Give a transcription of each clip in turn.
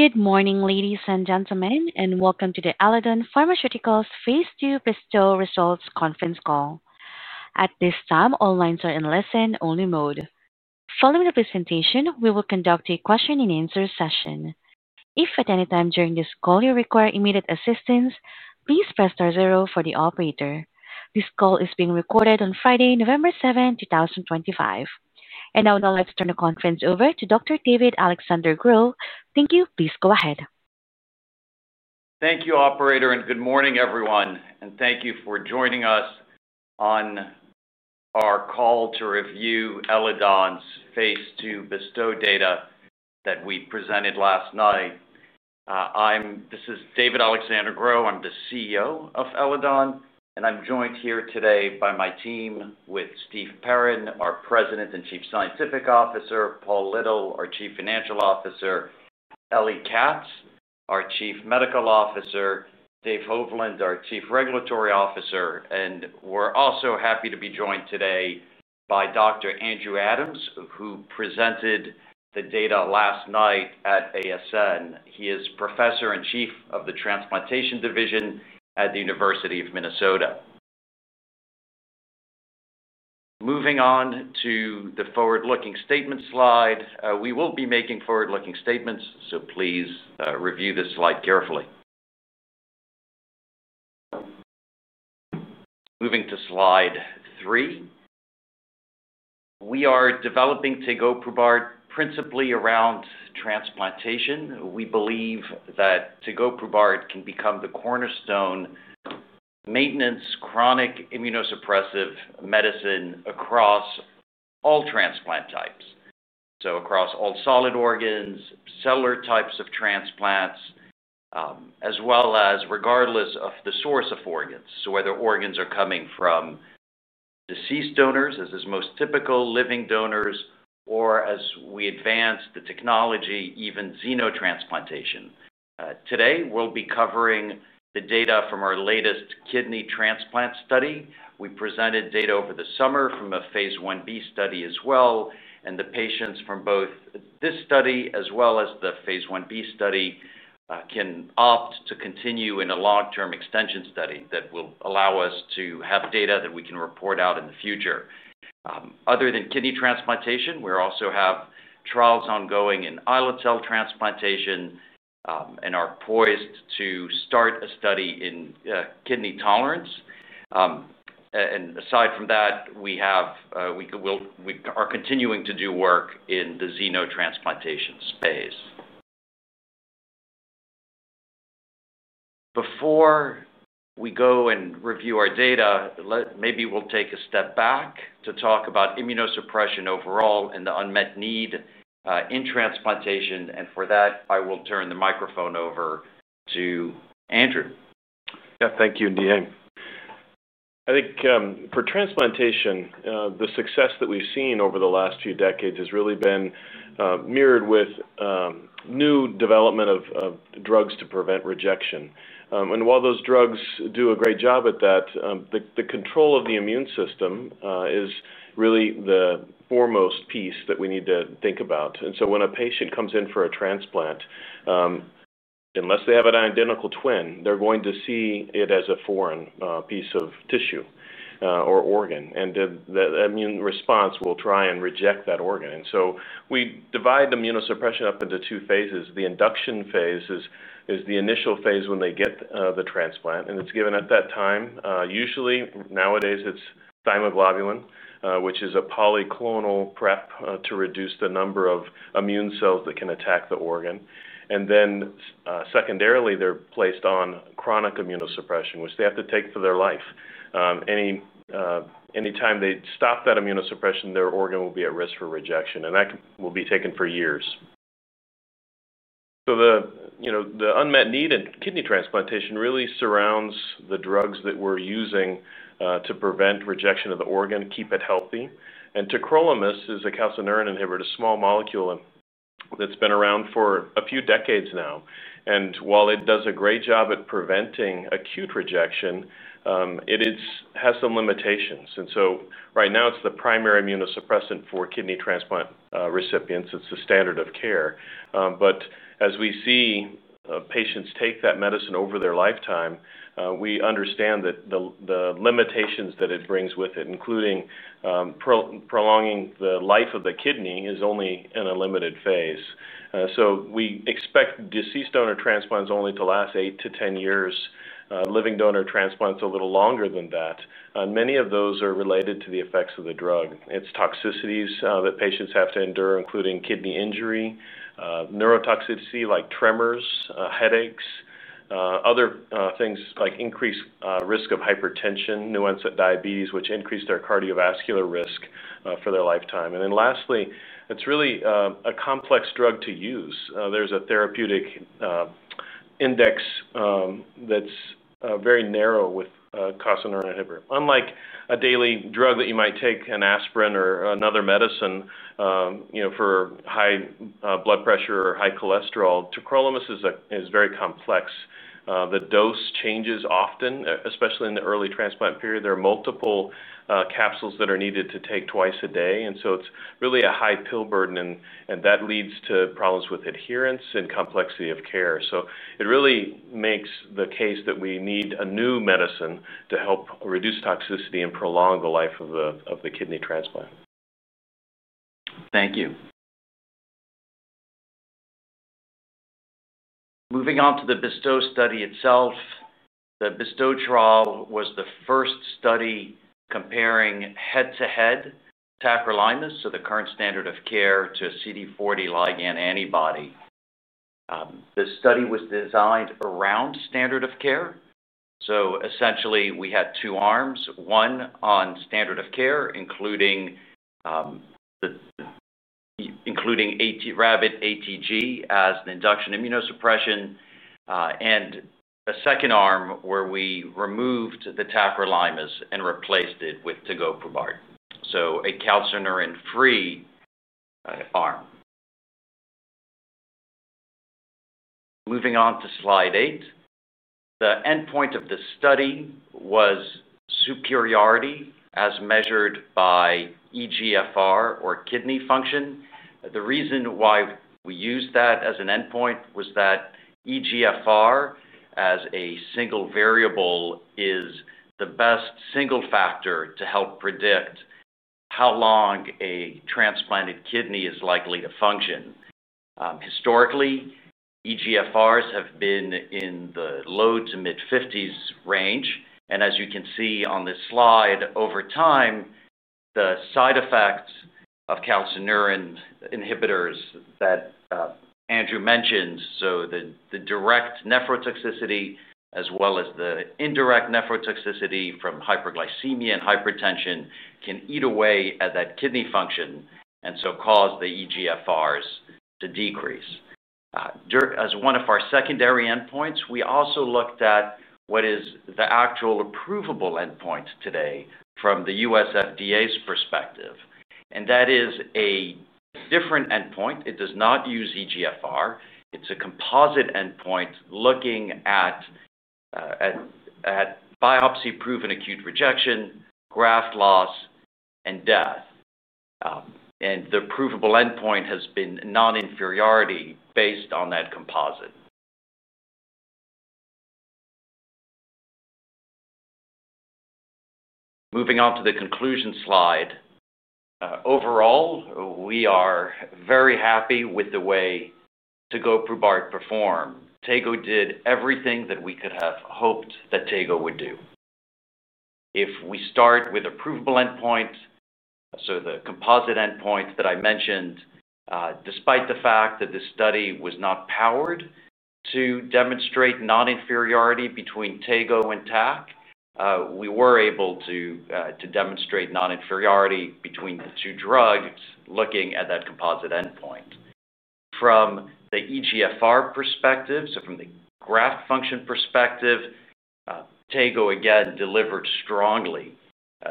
Good morning, ladies and gentlemen, and welcome to the Eledon Pharmaceuticals phase II BESTOW results conference call. At this time, all lines are in listen-only mode. Following the presentation, we will conduct a question-and-answer session. If at any time during this call you require immediate assistance, please press star zero for the operator. This call is being recorded on Friday, November 7, 2025. Now, let's turn the conference over to Dr. David-Alexandre Gros. Thank you. Please go ahead. Thank you, Operator, and good morning, everyone. Thank you for joining us on our call to review Eledon's phase II BESTOW data that we presented last night. This is David-Alexandre Gros. I'm the CEO of Eledon, and I'm joined here today by my team with Steve Perrin, our President and Chief Scientific Officer, Paul Little, our Chief Financial Officer, Elie Katz, our Chief Medical Officer, and Dave Hovland, our Chief Regulatory Officer. We are also happy to be joined today by Dr. Andrew Adams, who presented the data last night at ASN. He is Professor and Chief of the Transplantation Division at the University of Minnesota. Moving on to the forward-looking statement slide, we will be making forward-looking statements, so please review this slide carefully. Moving to slide three, we are developing tegoprubart principally around transplantation. We believe that tegoprubart can become the cornerstone maintenance chronic immunosuppressive medicine across all transplant types, so across all solid organs, cellular types of transplants, as well as regardless of the source of organs, so whether organs are coming from deceased donors, as is most typical, living donors, or as we advance the technology, even xenotransplantation. Today, we'll be covering the data from our latest kidney transplant study. We presented data over the summer from a phase I-B study as well, and the patients from both this study as well as the phase I-B study can opt to continue in a long-term extension study that will allow us to have data that we can report out in the future. Other than kidney transplantation, we also have trials ongoing in islet cell transplantation and are poised to start a study in kidney tolerance. Aside from that, we are continuing to do work in the xenotransplantation space. Before we go and review our data, maybe we will take a step back to talk about immunosuppression overall and the unmet need in transplantation. For that, I will turn the microphone over to Andrew. Yeah, thank you, DA. I think for transplantation, the success that we've seen over the last few decades has really been mirrored with new development of drugs to prevent rejection. While those drugs do a great job at that, the control of the immune system is really the foremost piece that we need to think about. When a patient comes in for a transplant, unless they have an identical twin, they're going to see it as a foreign piece of tissue or organ, and the immune response will try and reject that organ. We divide immunosuppression up into two phases. The induction phase is the initial phase when they get the transplant, and it's given at that time. Usually, nowadays, it's thymoglobulin, which is a polyclonal prep to reduce the number of immune cells that can attack the organ. Then secondarily, they're placed on chronic immunosuppression, which they have to take for their life. Anytime they stop that immunosuppression, their organ will be at risk for rejection, and that will be taken for years. The unmet need in kidney transplantation really surrounds the drugs that we're using to prevent rejection of the organ, keep it healthy. Tacrolimus is a calcineurin inhibitor, a small molecule that's been around for a few decades now. While it does a great job at preventing acute rejection, it has some limitations. Right now, it's the primary immunosuppressant for kidney transplant recipients. It's the standard of care. As we see patients take that medicine over their lifetime, we understand that the limitations that it brings with it, including prolonging the life of the kidney, is only in a limited phase. We expect deceased donor transplants only to last 8-10 years. Living donor transplants a little longer than that. Many of those are related to the effects of the drug. It is toxicities that patients have to endure, including kidney injury, neurotoxicity like tremors, headaches, other things like increased risk of hypertension, new onset diabetes, which increase their cardiovascular risk for their lifetime. Lastly, it is really a complex drug to use. There is a therapeutic index that is very narrow with calcineurin inhibitor. Unlike a daily drug that you might take, an aspirin or another medicine for high blood pressure or high cholesterol, tacrolimus is very complex. The dose changes often, especially in the early transplant period. There are multiple capsules that are needed to take twice a day. It is really a high pill burden, and that leads to problems with adherence and complexity of care. It really makes the case that we need a new medicine to help reduce toxicity and prolong the life of the kidney transplant. Thank you. Moving on to the BESTOW study itself, the BESTOW trial was the first study comparing head-to-head tacrolimus, so the current standard of care, to CD40 ligand antibody. This study was designed around standard of care. Essentially, we had two arms, one on standard of care, including Rabbit ATG as an induction immunosuppression, and a second arm where we removed the tacrolimus and replaced it with tegoprubart, so a calcineurin-free arm. Moving on to slide eight, the endpoint of the study was superiority as measured by eGFR or kidney function. The reason why we used that as an endpoint was that eGFR, as a single variable, is the best single factor to help predict how long a transplanted kidney is likely to function. Historically, eGFRs have been in the low to mid-50s range. As you can see on this slide, over time, the side effects of calcineurin inhibitors that Andrew mentioned, so the direct nephrotoxicity as well as the indirect nephrotoxicity from hyperglycemia and hypertension, can eat away at that kidney function and cause the eGFRs to decrease. As one of our secondary endpoints, we also looked at what is the actual approvable endpoint today from the U.S. FDA's perspective. That is a different endpoint. It does not use eGFR. It is a composite endpoint looking at biopsy-proven acute rejection, graft loss, and death. The approvable endpoint has been non-inferiority based on that composite. Moving on to the conclusion slide, overall, we are very happy with the way tegoprubart performed. Tego did everything that we could have hoped that tego would do. If we start with a provable endpoint, so the composite endpoint that I mentioned, despite the fact that this study was not powered to demonstrate non-inferiority between tego and tac, we were able to demonstrate non-inferiority between the two drugs looking at that composite endpoint. From the eGFR perspective, so from the graft function perspective, tego again delivered strongly.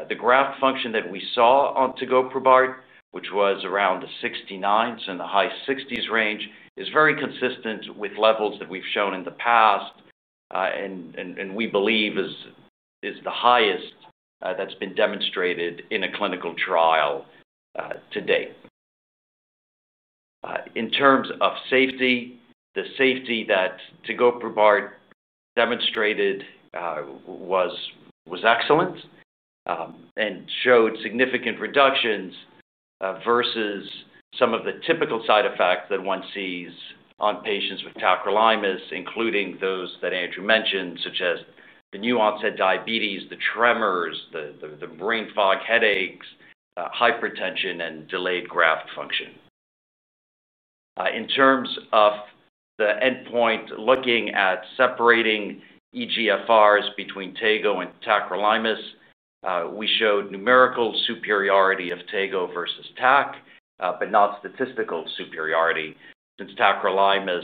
The graft function that we saw on tegoprubart, which was around the 69s and the high 60s range, is very consistent with levels that we've shown in the past and we believe is the highest that's been demonstrated in a clinical trial to date. In terms of safety, the safety that tegoprubart demonstrated was excellent and showed significant reductions versus some of the typical side effects that one sees on patients with tacrolimus, including those that Andrew mentioned, such as the new onset diabetes, the tremors, the brain fog headaches, hypertension, and delayed graft function. In terms of the endpoint, looking at separating eGFRs between tego and tacrolimus, we showed numerical superiority of tego versus tac, but not statistical superiority, since tacrolimus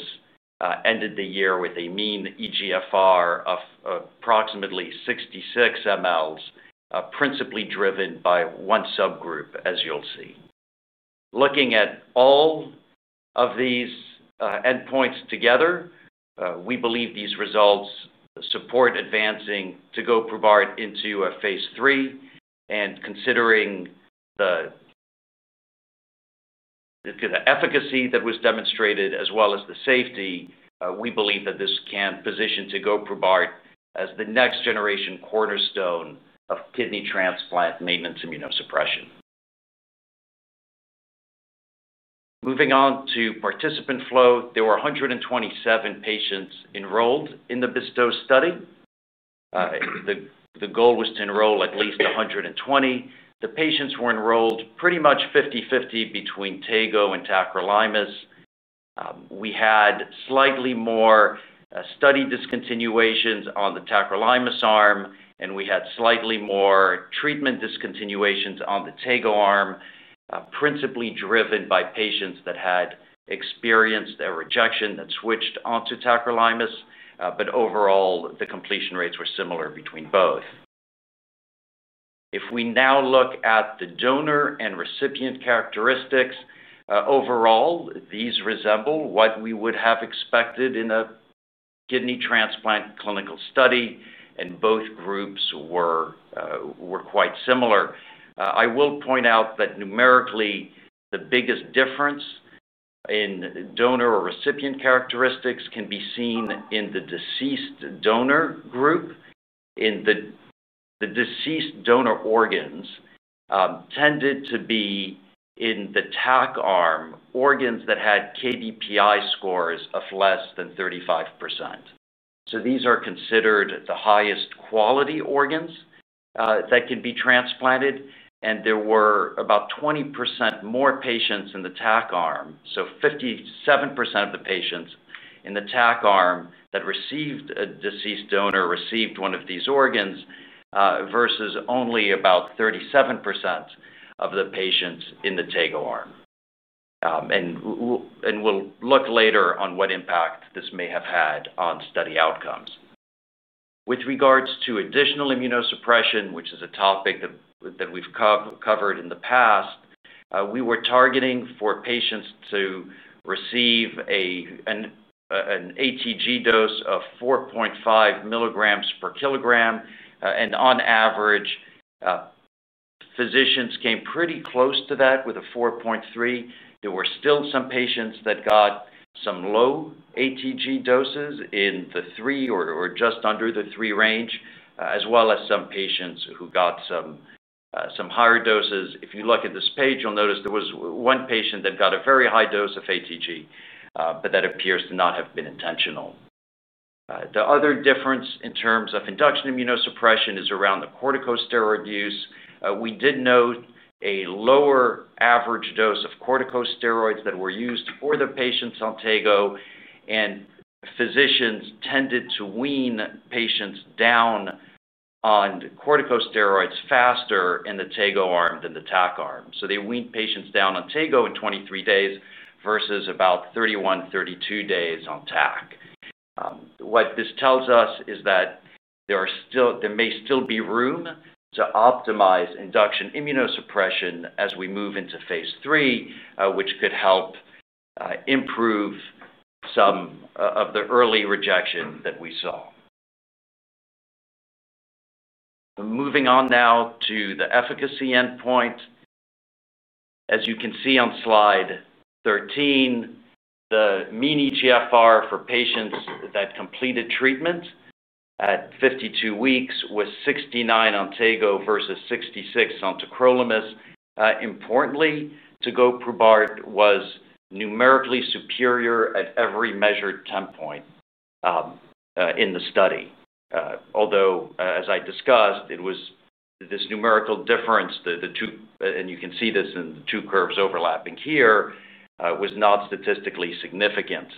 ended the year with a mean eGFR of approximately 66 mL, principally driven by one subgroup, as you'll see. Looking at all of these endpoints together, we believe these results support advancing tegoprubart into a phase III. Considering the efficacy that was demonstrated as well as the safety, we believe that this can position tegoprubart as the next generation cornerstone of kidney transplant maintenance immunosuppression. Moving on to participant flow, there were 127 patients enrolled in the BESTOW study. The goal was to enroll at least 120. The patients were enrolled pretty much 50/50 between tego and tacrolimus. We had slightly more study discontinuations on the tacrolimus arm, and we had slightly more treatment discontinuations on the tego arm, principally driven by patients that had experienced a rejection that switched onto tacrolimus. Overall, the completion rates were similar between both. If we now look at the donor and recipient characteristics, overall, these resemble what we would have expected in a kidney transplant clinical study, and both groups were quite similar. I will point out that numerically, the biggest difference in donor or recipient characteristics can be seen in the deceased donor group. In the deceased donor organs, tended to be in the tacrolimus arm organs that had KDPI scores of less than 35%. These are considered the highest quality organs that can be transplanted. There were about 20% more patients in the tac arm, so 57% of the patients in the tac arm that received a deceased donor received one of these organs versus only about 37% of the patients in the tego arm. We will look later on what impact this may have had on study outcomes. With regards to additional immunosuppression, which is a topic that we have covered in the past, we were targeting for patients to receive an ATG dose of 4.5 mg/kg. On average, physicians came pretty close to that with a 4.3 mg/kg. There were still some patients that got some low ATG doses in the 3 mg/kg or just under the 3 mg/kg range, as well as some patients who got some higher doses. If you look at this page, you'll notice there was one patient that got a very high dose of ATG, but that appears to not have been intentional. The other difference in terms of induction immunosuppression is around the corticosteroid use. We did note a lower average dose of corticosteroids that were used for the patients on tego, and physicians tended to wean patients down on corticosteroids faster in the tego arm than the tac arm. They weaned patients down on tego in 23 days versus about 31-32 days on tac. What this tells us is that there may still be room to optimize induction immunosuppression as we move into phase III, which could help improve some of the early rejection that we saw. Moving on now to the efficacy endpoint. As you can see on slide 13, the mean eGFR for patients that completed treatment at 52 weeks was 69 on tego versus 66 on tacrolimus. Importantly, tegoprubart was numerically superior at every measured time point in the study. Although, as I discussed, this numerical difference, and you can see this in the two curves overlapping here, was not statistically significant.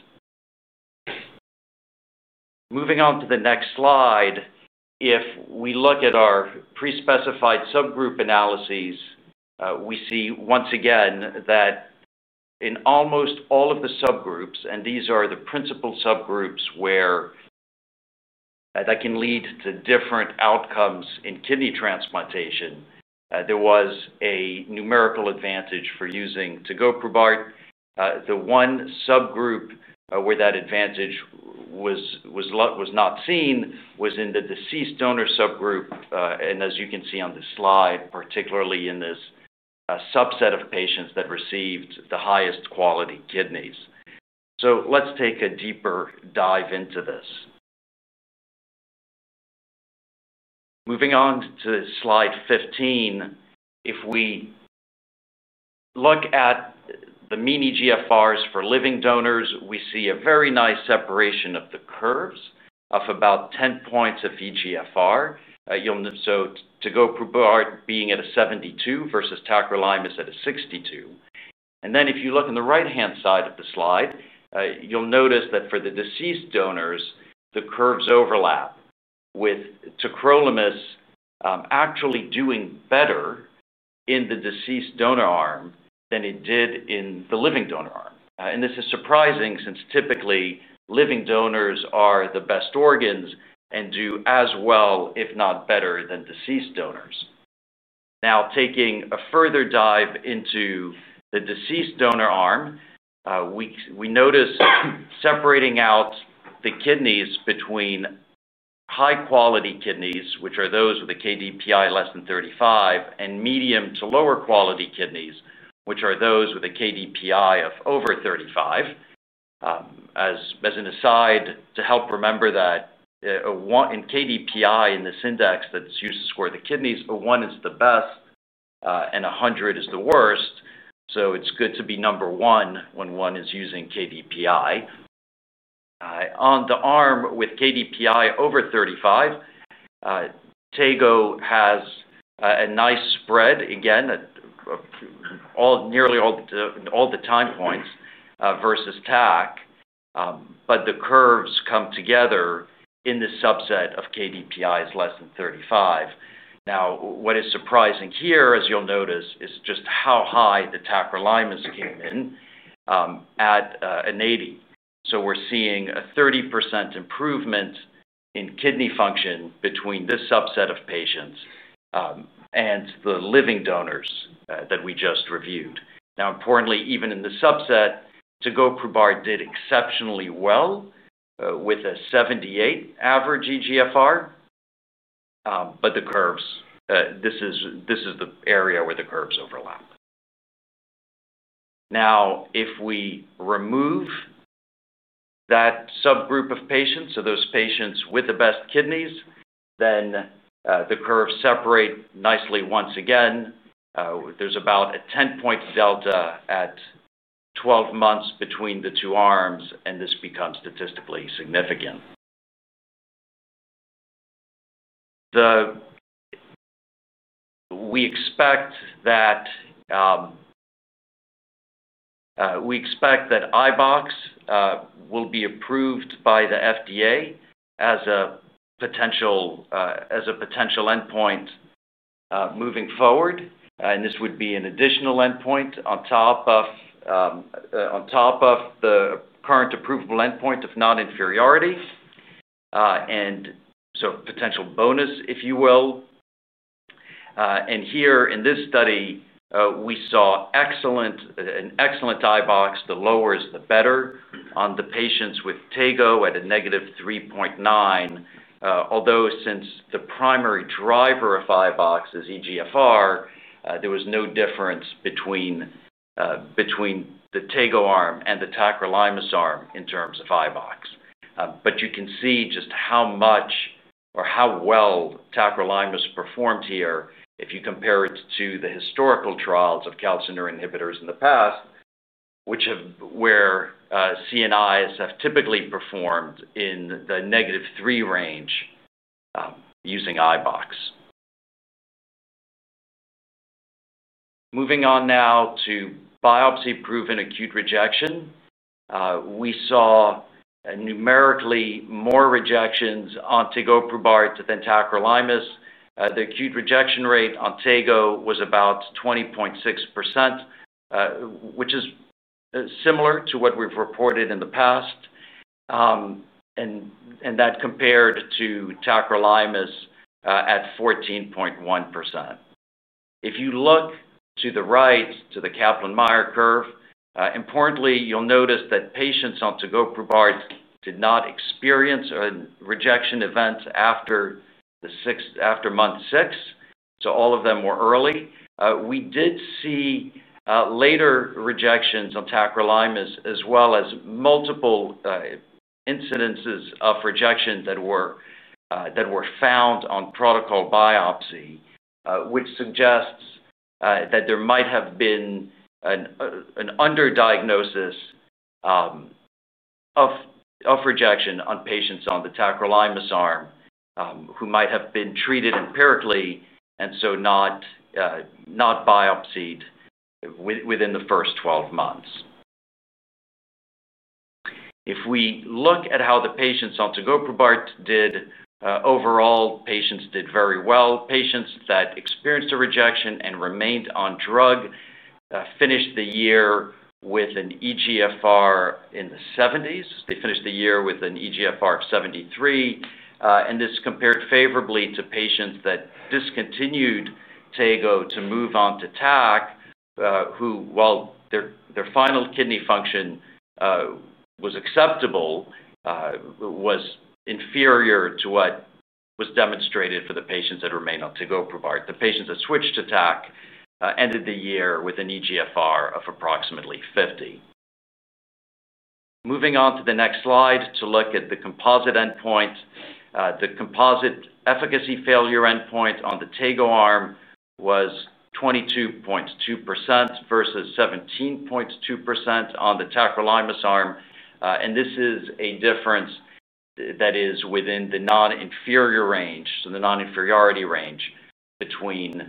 Moving on to the next slide, if we look at our pre-specified subgroup analyses, we see once again that in almost all of the subgroups, and these are the principal subgroups that can lead to different outcomes in kidney transplantation, there was a numerical advantage for using tegoprubart. The one subgroup where that advantage was not seen was in the deceased donor subgroup. As you can see on this slide, particularly in this subset of patients that received the highest quality kidneys. Let's take a deeper dive into this. Moving on to slide 15, if we look at the mean eGFRs for living donors, we see a very nice separation of the curves of about 10 points of eGFR. So tegoprubart being at a 72 versus tacrolimus at a 62. If you look on the right-hand side of the slide, you'll notice that for the deceased donors, the curves overlap with tacrolimus actually doing better in the deceased donor arm than it did in the living donor arm. This is surprising since typically living donors are the best organs and do as well, if not better, than deceased donors. Now, taking a further dive into the deceased donor arm, we notice separating out the kidneys between high-quality kidneys, which are those with a KDPI less than 35, and medium to lower-quality kidneys, which are those with a KDPI of over 35. As an aside to help remember that in KDPI, in this index that's used to score the kidneys, a 1 is the best and a 100 is the worst. It is good to be number 1 when 1 is using KDPI. On the arm with KDPI over 35, tego has a nice spread again, nearly all the time points versus tac, but the curves come together in the subset of KDPIs less than 35. What is surprising here, as you'll notice, is just how high the tacrolimus came in at an 80. We're seeing a 30% improvement in kidney function between this subset of patients and the living donors that we just reviewed. Now, importantly, even in the subset, tegoprubart did exceptionally well with a 78 average eGFR, but this is the area where the curves overlap. If we remove that subgroup of patients, so those patients with the best kidneys, then the curves separate nicely once again. There's about a 10-point delta at 12 months between the two arms, and this becomes statistically significant. We expect that iBOX will be approved by the FDA as a potential endpoint moving forward. This would be an additional endpoint on top of the current approvable endpoint of non-inferiority, so potential bonus, if you will. Here in this study, we saw an excellent iBOX; the lower is the better on the patients with tego at a -3.9. Although since the primary driver of iBOX is eGFR, there was no difference between the tego arm and the tacrolimus arm in terms of iBOX. You can see just how much or how well tacrolimus performed here if you compare it to the historical trials of calcineurin inhibitors in the past, where CNIs have typically performed in the -3 range using iBOX. Moving on now to biopsy-proven acute rejection. We saw numerically more rejections on tegoprubart than tacrolimus. The acute rejection rate on tego was about 20.6%, which is similar to what we've reported in the past, and that compared to tacrolimus at 14.1%. If you look to the right, to the Kaplan-Meier curve, importantly, you'll notice that patients on tegoprubart did not experience rejection events after month 6. All of them were early. We did see later rejections on tacrolimus as well as multiple incidences of rejection that were found on protocol biopsy, which suggests that there might have been an underdiagnosis of rejection on patients on the tacrolimus arm who might have been treated empirically and so not biopsied within the first 12 months. If we look at how the patients on tegoprubart did, overall, patients did very well. Patients that experienced a rejection and remained on drug finished the year with an eGFR in the 70s. They finished the year with an eGFR of 73. And this compared favorably to patients that discontinued tego to move on to tac, who, while their final kidney function was acceptable, was inferior to what was demonstrated for the patients that remained on tegoprubart. The patients that switched to tac ended the year with an eGFR of approximately 50. Moving on to the next slide to look at the composite endpoint. The composite efficacy failure endpoint on the tego arm was 22.2% versus 17.2% on the tacrolimus arm. This is a difference that is within the non-inferior range, so the non-inferiority range between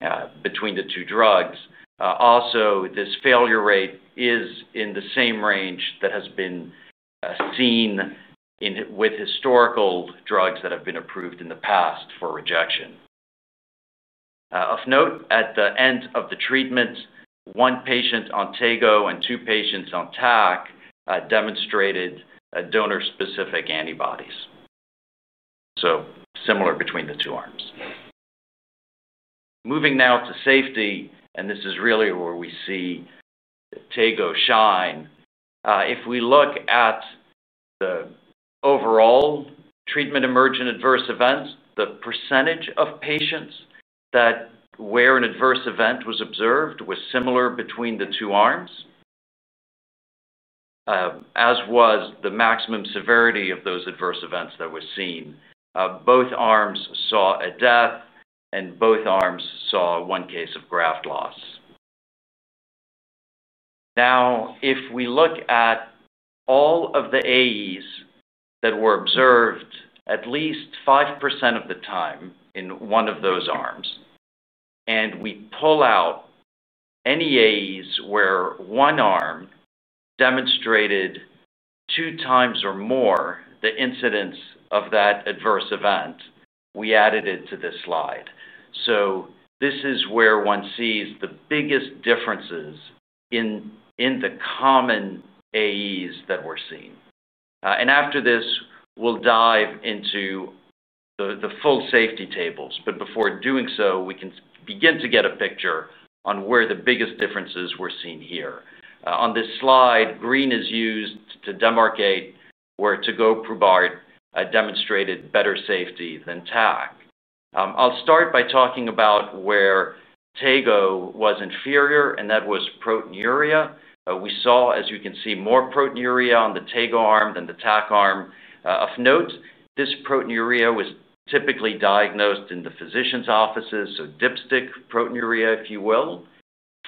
the two drugs. Also, this failure rate is in the same range that has been seen with historical drugs that have been approved in the past for rejection. Of note, at the end of the treatment, one patient on tego and two patients on tac demonstrated donor-specific antibodies, so similar between the two arms. Moving now to safety, and this is really where we see tego shine. If we look at the overall treatment emergent adverse events, the percentage of patients where an adverse event was observed was similar between the two arms, as was the maximum severity of those adverse events that were seen. Both arms saw a death, and both arms saw one case of graft loss. Now, if we look at all of the AEs that were observed at least 5% of the time in one of those arms, and we pull out any AEs where one arm demonstrated 2x or more the incidence of that adverse event, we added it to this slide. This is where one sees the biggest differences in the common AEs that were seen. After this, we'll dive into the full safety tables. Before doing so, we can begin to get a picture on where the biggest differences were seen here. On this slide, green is used to demarcate where tegoprubart demonstrated better safety than tac. I'll start by talking about where tego was inferior, and that was proteinuria. We saw, as you can see, more proteinuria on the tego arm than the tac arm. Of note, this proteinuria was typically diagnosed in the physician's offices, so dipstick proteinuria, if you will.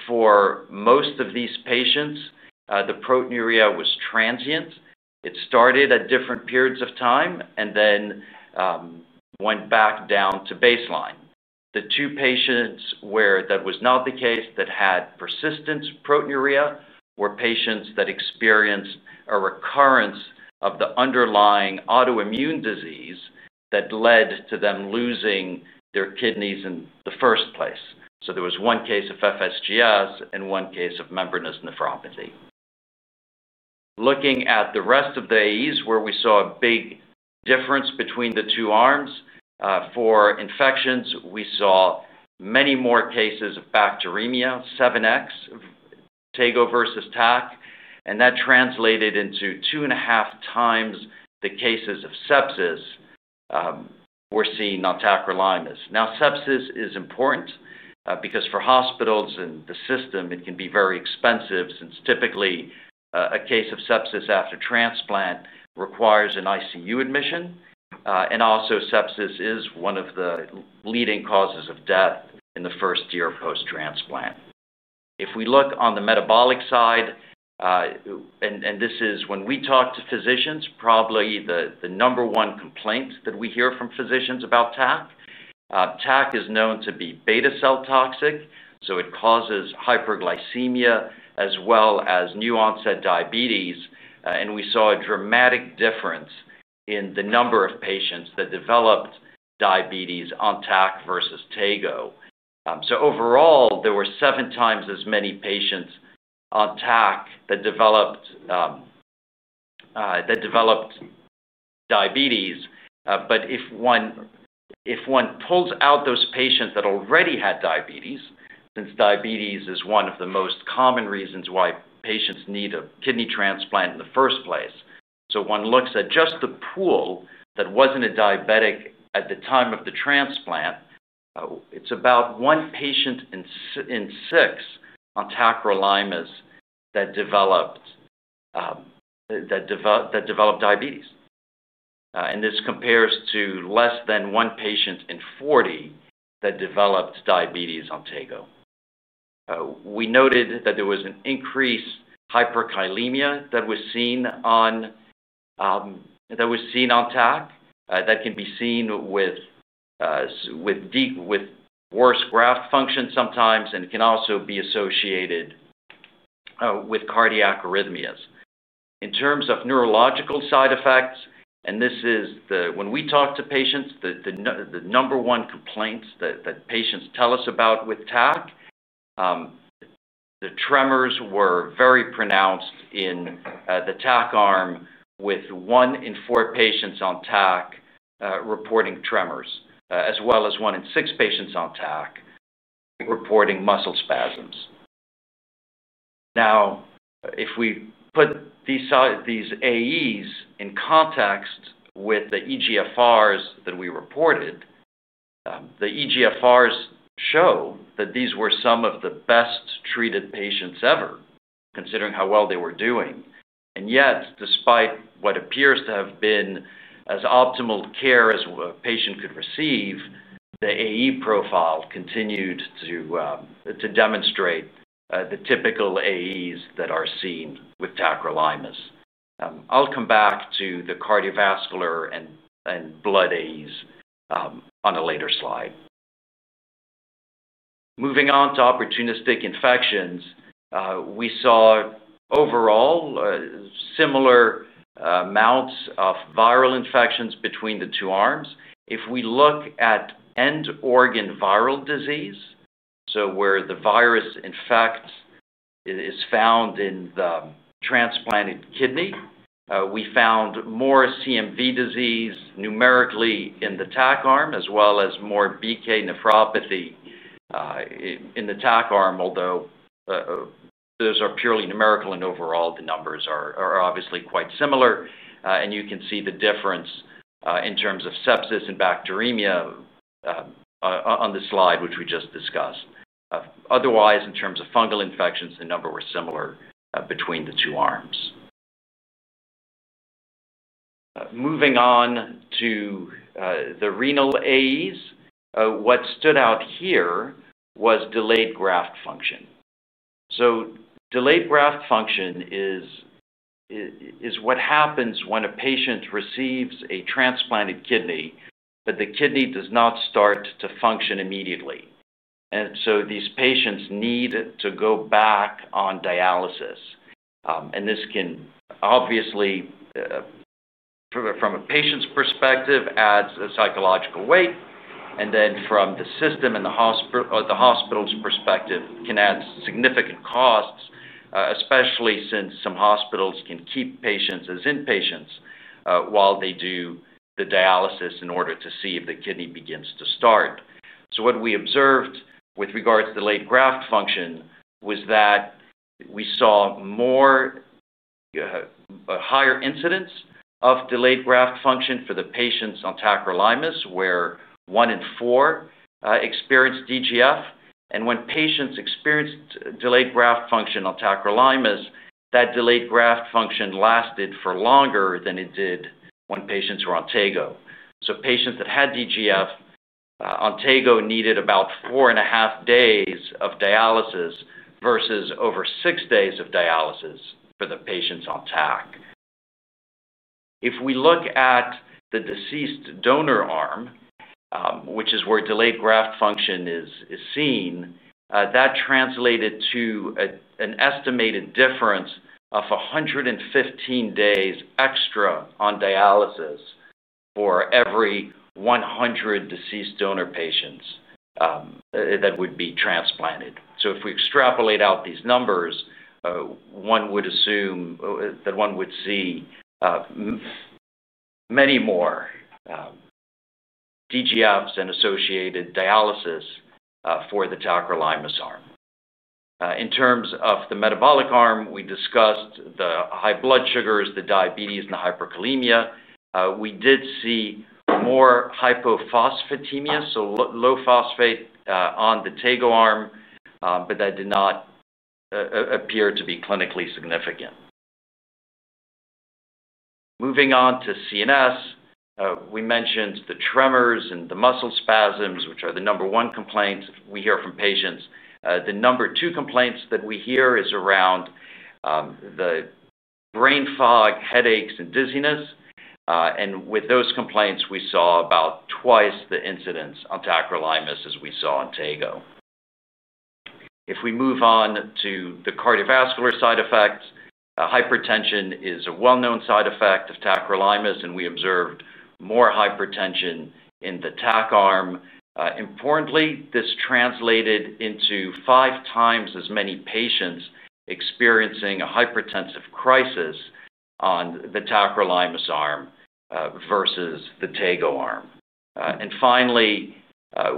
For most of these patients, the proteinuria was transient. It started at different periods of time and then went back down to baseline. The two patients where that was not the case, that had persistent proteinuria, were patients that experienced a recurrence of the underlying autoimmune disease that led to them losing their kidneys in the first place. There was one case of FSGS and one case of membranous nephropathy. Looking at the rest of the AEs where we saw a big difference between the two arms, for infections, we saw many more cases of bacteremia, 7x, tego versus tac, and that translated into 2.5x the cases of sepsis we're seeing on tacrolimus. Sepsis is important because for hospitals and the system, it can be very expensive since typically a case of sepsis after transplant requires an ICU admission. Also, sepsis is one of the leading causes of death in the first year post-transplant. If we look on the metabolic side, and this is when we talk to physicians, probably the number one complaint that we hear from physicians about tac. Tac is known to be beta cell toxic, so it causes hyperglycemia as well as new-onset diabetes. We saw a dramatic difference in the number of patients that developed diabetes on tac versus tego. Overall, there were seven times as many patients on tac that developed diabetes. If one pulls out those patients that already had diabetes, since diabetes is one of the most common reasons why patients need a kidney transplant in the first place, if one looks at just the pool that was not diabetic at the time of the transplant, it is about one patient in six on tacrolimus that developed diabetes. This compares to less than one patient in 40 that developed diabetes on tego. We noted that there was an increased hyperkalemia that was seen on tac. That can be seen with worse graft function sometimes, and it can also be associated with cardiac arrhythmias. In terms of neurological side effects, and this is when we talk to patients, the number one complaints that patients tell us about with tac, the tremors were very pronounced in the tac arm with one in four patients on tac reporting tremors, as well as one in six patients on tac reporting muscle spasms. Now, if we put these AEs in context with the eGFRs that we reported, the eGFRs show that these were some of the best-treated patients ever, considering how well they were doing. Yet, despite what appears to have been as optimal care as a patient could receive, the AE profile continued to demonstrate the typical AEs that are seen with tacrolimus. I'll come back to the cardiovascular and blood AEs on a later slide. Moving on to opportunistic infections, we saw overall similar amounts of viral infections between the two arms. If we look at end-organ viral disease, so where the virus infect is found in the transplanted kidney, we found more CMV disease numerically in the tac arm, as well as more BK nephropathy in the tac arm, although those are purely numerical and overall the numbers are obviously quite similar. You can see the difference in terms of sepsis and bacteremia on the slide, which we just discussed. Otherwise, in terms of fungal infections, the number were similar between the two arms. Moving on to the renal AEs, what stood out here was delayed graft function. Delayed graft function is what happens when a patient receives a transplanted kidney, but the kidney does not start to function immediately. These patients need to go back on dialysis. This can, obviously, from a patient's perspective, add psychological weight, and then from the system and the hospital's perspective, can add significant costs, especially since some hospitals can keep patients as inpatients while they do the dialysis in order to see if the kidney begins to start. What we observed with regards to delayed graft function was that we saw a higher incidence of delayed graft function for the patients on tacrolimus, where one in four experienced DGF. When patients experienced delayed graft function on tacrolimus, that delayed graft function lasted for longer than it did when patients were on tego. Patients that had DGF on tego needed about four and a half days of dialysis versus over six days of dialysis for the patients on tac. If we look at the deceased donor arm, which is where delayed graft function is seen, that translated to an estimated difference of 115 days extra on dialysis for every 100 deceased donor patients that would be transplanted. If we extrapolate out these numbers, one would assume that one would see many more DGFs and associated dialysis for the tacrolimus arm. In terms of the metabolic arm, we discussed the high blood sugars, the diabetes, and the hyperkalemia. We did see more hypophosphatemia, so low phosphate on the tego arm, but that did not appear to be clinically significant. Moving on to CNS, we mentioned the tremors and the muscle spasms, which are the number one complaints we hear from patients. The number two complaints that we hear is around the brain fog, headaches, and dizziness. With those complaints, we saw about twice the incidence on tacrolimus as we saw on tego. If we move on to the cardiovascular side effects, hypertension is a well-known side effect of tacrolimus, and we observed more hypertension in the tac arm. Importantly, this translated into five times as many patients experiencing a hypertensive crisis on the tacrolimus arm versus the tego arm. Finally,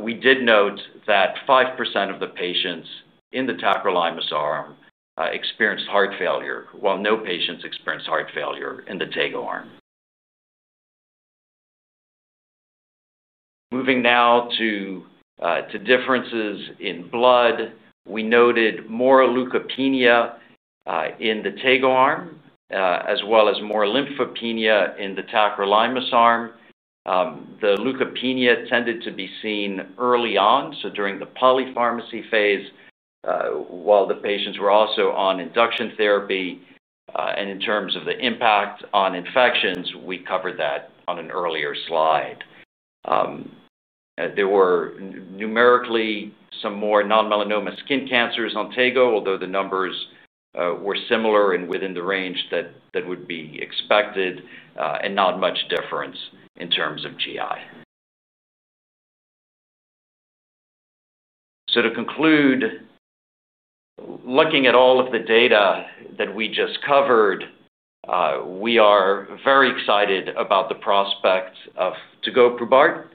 we did note that 5% of the patients in the tacrolimus arm experienced heart failure, while no patients experienced heart failure in the tego arm. Moving now to differences in blood, we noted more leukopenia in the tego arm, as well as more lymphopenia in the tacrolimus arm. The leukopenia tended to be seen early on, during the polypharmacy phase, while the patients were also on induction therapy. In terms of the impact on infections, we covered that on an earlier slide. There were numerically some more non-melanoma skin cancers on tego, although the numbers were similar and within the range that would be expected and not much difference in terms of GI. To conclude, looking at all of the data that we just covered, we are very excited about the prospects of tegoprubart, where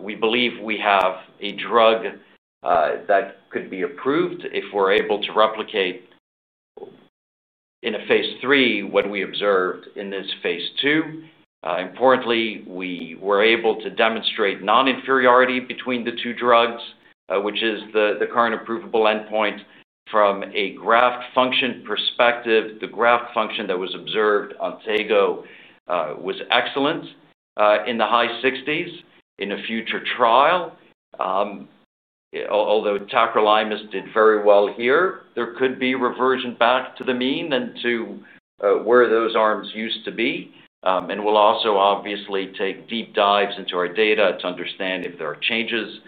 we believe we have a drug that could be approved if we're able to replicate in a phase III what we observed in this phase II. Importantly, we were able to demonstrate non-inferiority between the two drugs, which is the current approvable endpoint. From a graft function perspective, the graft function that was observed on tego was excellent in the high 60s. In a future trial, although tacrolimus did very well here, there could be reversion back to the mean and to where those arms used to be. We will also obviously take deep dives into our data to understand if there are changes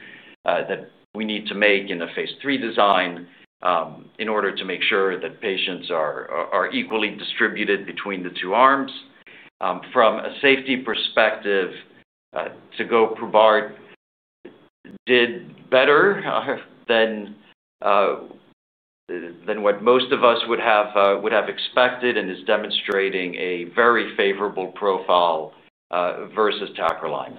that we need to make in a phase III design in order to make sure that patients are equally distributed between the two arms. From a safety perspective, tegoprubart did better than what most of us would have expected and is demonstrating a very favorable profile versus tacrolimus.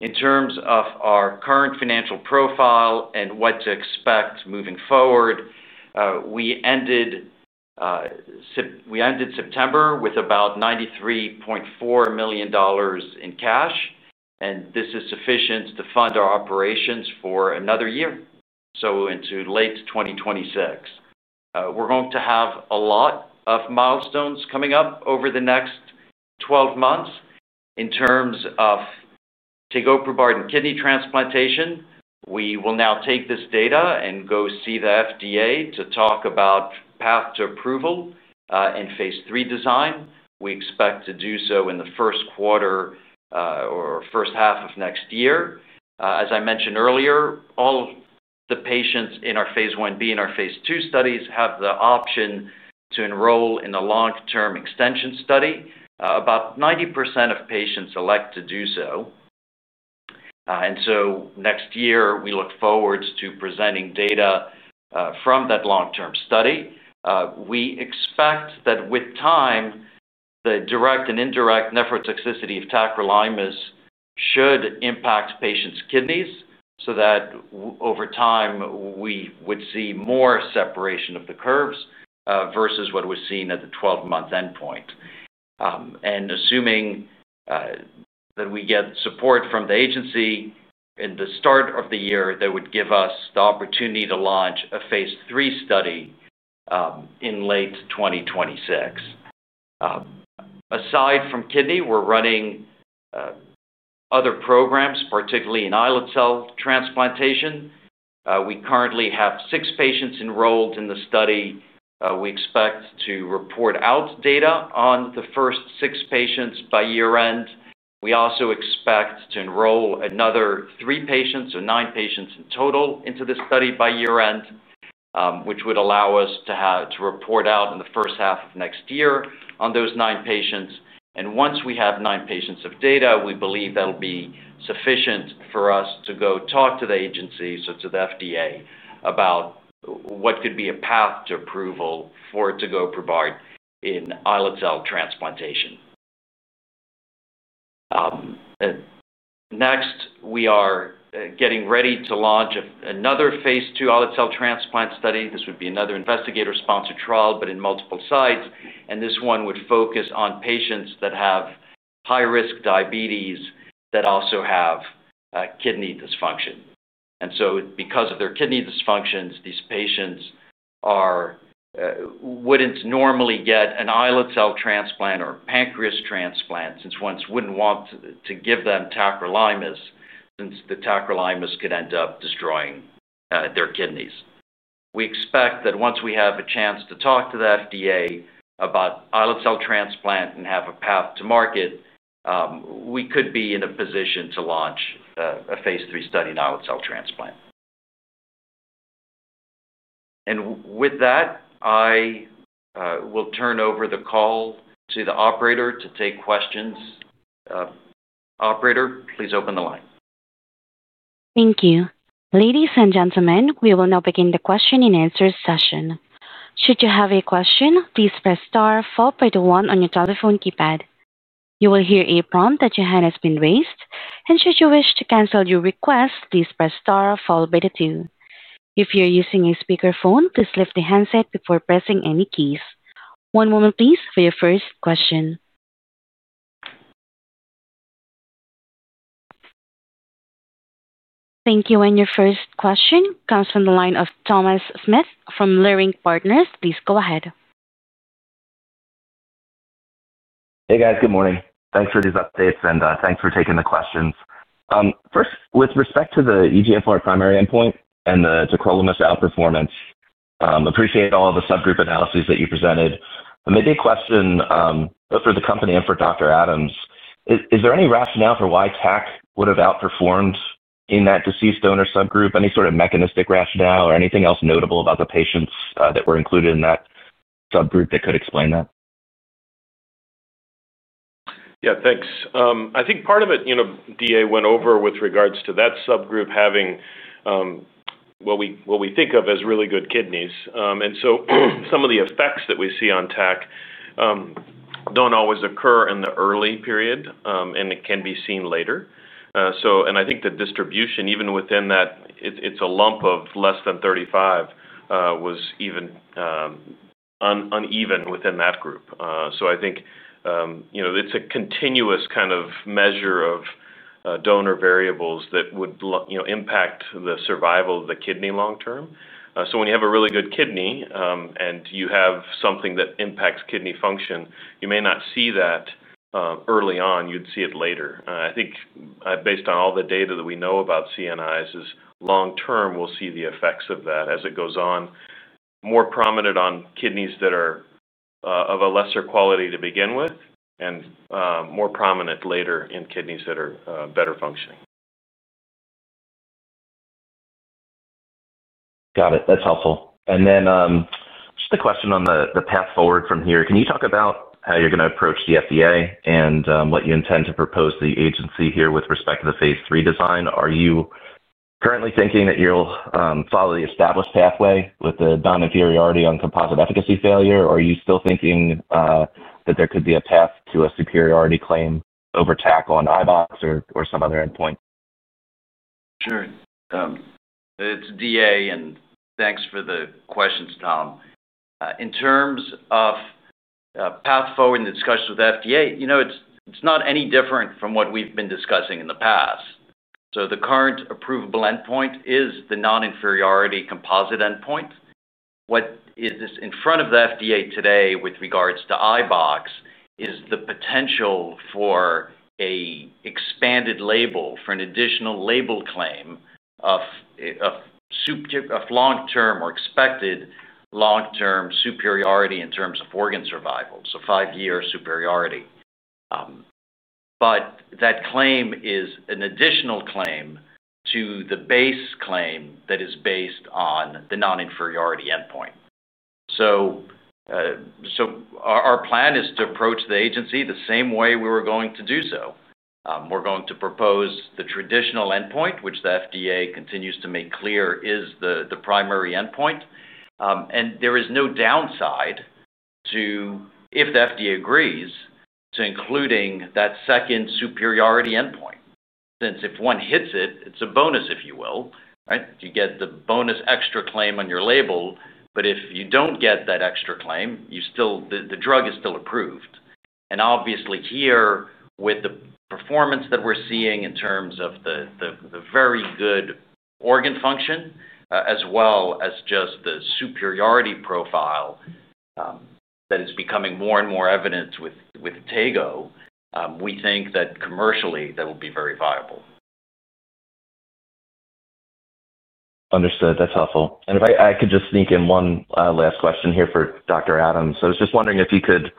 In terms of our current financial profile and what to expect moving forward, we ended September with about $93.4 million in cash, and this is sufficient to fund our operations for another year, so into late 2026. We are going to have a lot of milestones coming up over the next 12 months. In terms of tegoprubart and kidney transplantation, we will now take this data and go see the FDA to talk about path to approval in phase III design. We expect to do so in the first quarter or first half of next year. As I mentioned earlier, all the patients in our phase I-B and our phase II studies have the option to enroll in a long-term extension study. About 90% of patients elect to do so. Next year, we look forward to presenting data from that long-term study. We expect that with time, the direct and indirect nephrotoxicity of tacrolimus should impact patients' kidneys so that over time, we would see more separation of the curves versus what was seen at the 12-month endpoint. Assuming that we get support from the agency in the start of the year, that would give us the opportunity to launch a phase III study in late 2026. Aside from kidney, we are running other programs, particularly in islet cell transplantation. We currently have six patients enrolled in the study. We expect to report out data on the first six patients by year-end. We also expect to enroll another three patients, so nine patients in total, into the study by year-end, which would allow us to report out in the first half of next year on those nine patients. Once we have nine patients of data, we believe that'll be sufficient for us to go talk to the agency, to the FDA, about what could be a path to approval for tegoprubart in islet cell transplantation. Next, we are getting ready to launch another phase II islet cell transplant study. This would be another investigator-sponsored trial, but in multiple sites. This one would focus on patients that have high-risk diabetes that also have kidney dysfunction. Because of their kidney dysfunctions, these patients would not normally get an islet cell transplant or pancreas transplant since one would not want to give them tacrolimus since the tacrolimus could end up destroying their kidneys. We expect that once we have a chance to talk to the FDA about islet cell transplant and have a path to market, we could be in a position to launch a phase III study in islet cell transplant. With that, I will turn over the call to the operator to take questions. Operator, please open the line. Thank you. Ladies and gentlemen, we will now begin the question and answer session. Should you have a question, please press star followed by the one on your telephone keypad. You will hear a prompt that your hand has been raised. Should you wish to cancel your request, please press star followed by the two. If you're using a speakerphone, please lift the handset before pressing any keys. One moment, please, for your first question. Thank you. Your first question comes from the line of Thomas Smith from Leerink Partners. Please go ahead. Hey, guys. Good morning. Thanks for these updates, and thanks for taking the questions. First, with respect to the eGFR primary endpoint and the tacrolimus outperformance, appreciate all the subgroup analyses that you presented. I made a question for the company and for Dr. Adams. Is there any rationale for why tac would have outperformed in that deceased donor subgroup? Any sort of mechanistic rationale or anything else notable about the patients that were included in that subgroup that could explain that? Yeah, thanks. I think part of it, DA went over with regards to that subgroup having what we think of as really good kidneys. Some of the effects that we see on tac do not always occur in the early period, and it can be seen later. I think the distribution, even within that, it is a lump of less than 35, was even uneven within that group. I think it is a continuous kind of measure of donor variables that would impact the survival of the kidney long-term. When you have a really good kidney and you have something that impacts kidney function, you may not see that early on. You would see it later. I think based on all the data that we know about CNIs, long-term, we'll see the effects of that as it goes on, more prominent on kidneys that are of a lesser quality to begin with and more prominent later in kidneys that are better functioning. Got it. That's helpful. And then just a question on the path forward from here. Can you talk about how you're going to approach the FDA and what you intend to propose to the agency here with respect to the phase III design? Are you currently thinking that you'll follow the established pathway with the non-inferiority on composite efficacy failure, or are you still thinking that there could be a path to a superiority claim over tac on iBOX or some other endpoint? Sure. It's DA, and thanks for the questions, Tom. In terms of path forward in the discussion with the FDA, it's not any different from what we've been discussing in the past. The current approvable endpoint is the non-inferiority composite endpoint. What is in front of the FDA today with regards to iBOX is the potential for an expanded label for an additional label claim of long-term or expected long-term superiority in terms of organ survival, five-year superiority. That claim is an additional claim to the base claim that is based on the non-inferiority endpoint. Our plan is to approach the agency the same way we were going to do so. We're going to propose the traditional endpoint, which the FDA continues to make clear is the primary endpoint. There is no downside to, if the FDA agrees, including that second superiority endpoint, since if one hits it, it's a bonus, if you will, right? You get the bonus extra claim on your label, but if you don't get that extra claim, the drug is still approved. Obviously here, with the performance that we're seeing in terms of the very good organ function, as well as just the superiority profile that is becoming more and more evident with tego, we think that commercially, that will be very viable. Understood. That's helpful. If I could just sneak in one last question here for Dr. Adams. I was just wondering if you could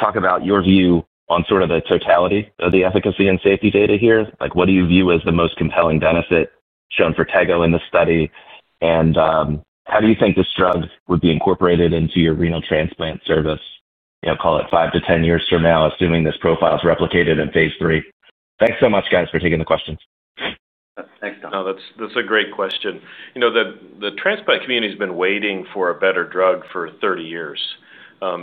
talk about your view on sort of the totality of the efficacy and safety data here. What do you view as the most compelling benefit shown for tego in this study? How do you think this drug would be incorporated into your renal transplant service, call it 5-10 years from now, assuming this profile is replicated in phase III? Thanks so much, guys, for taking the questions. Thanks, Tom. That is a great question. The transplant community has been waiting for a better drug for 30 years. While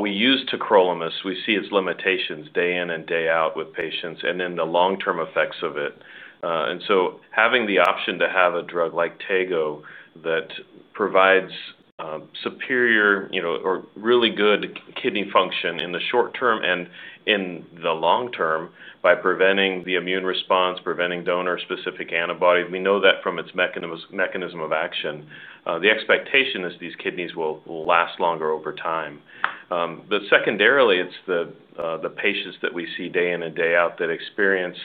we use tacrolimus, we see its limitations day in and day out with patients and then the long-term effects of it. Having the option to have a drug like tego that provides superior or really good kidney function in the short term and in the long term by preventing the immune response, preventing donor-specific antibodies—we know that from its mechanism of action—the expectation is these kidneys will last longer over time. Secondarily, it's the patients that we see day in and day out that experience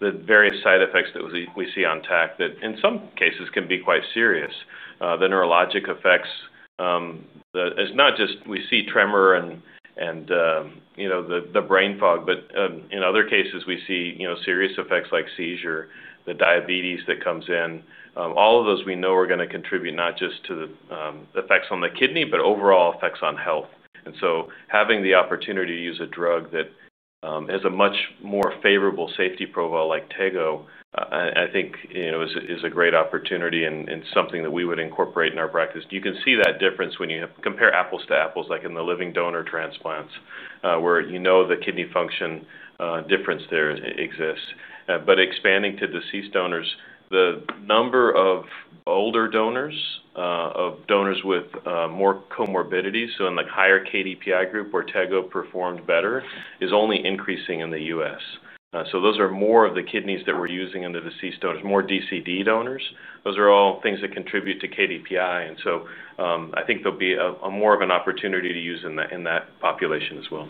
the various side effects that we see on tac that in some cases can be quite serious. The neurologic effects—it's not just we see tremor and the brain fog, but in other cases, we see serious effects like seizure, the diabetes that comes in. All of those we know are going to contribute not just to the effects on the kidney, but overall effects on health. Having the opportunity to use a drug that has a much more favorable safety profile like tego, I think, is a great opportunity and something that we would incorporate in our practice. You can see that difference when you compare apples to apples, like in the living donor transplants, where you know the kidney function difference there exists. Expanding to deceased donors, the number of older donors, of donors with more comorbidities, so in the higher KDPI group where tego performed better, is only increasing in the U.S. Those are more of the kidneys that we're using under deceased donors, more DCD donors. Those are all things that contribute to KDPI. I think there'll be more of an opportunity to use in that population as well.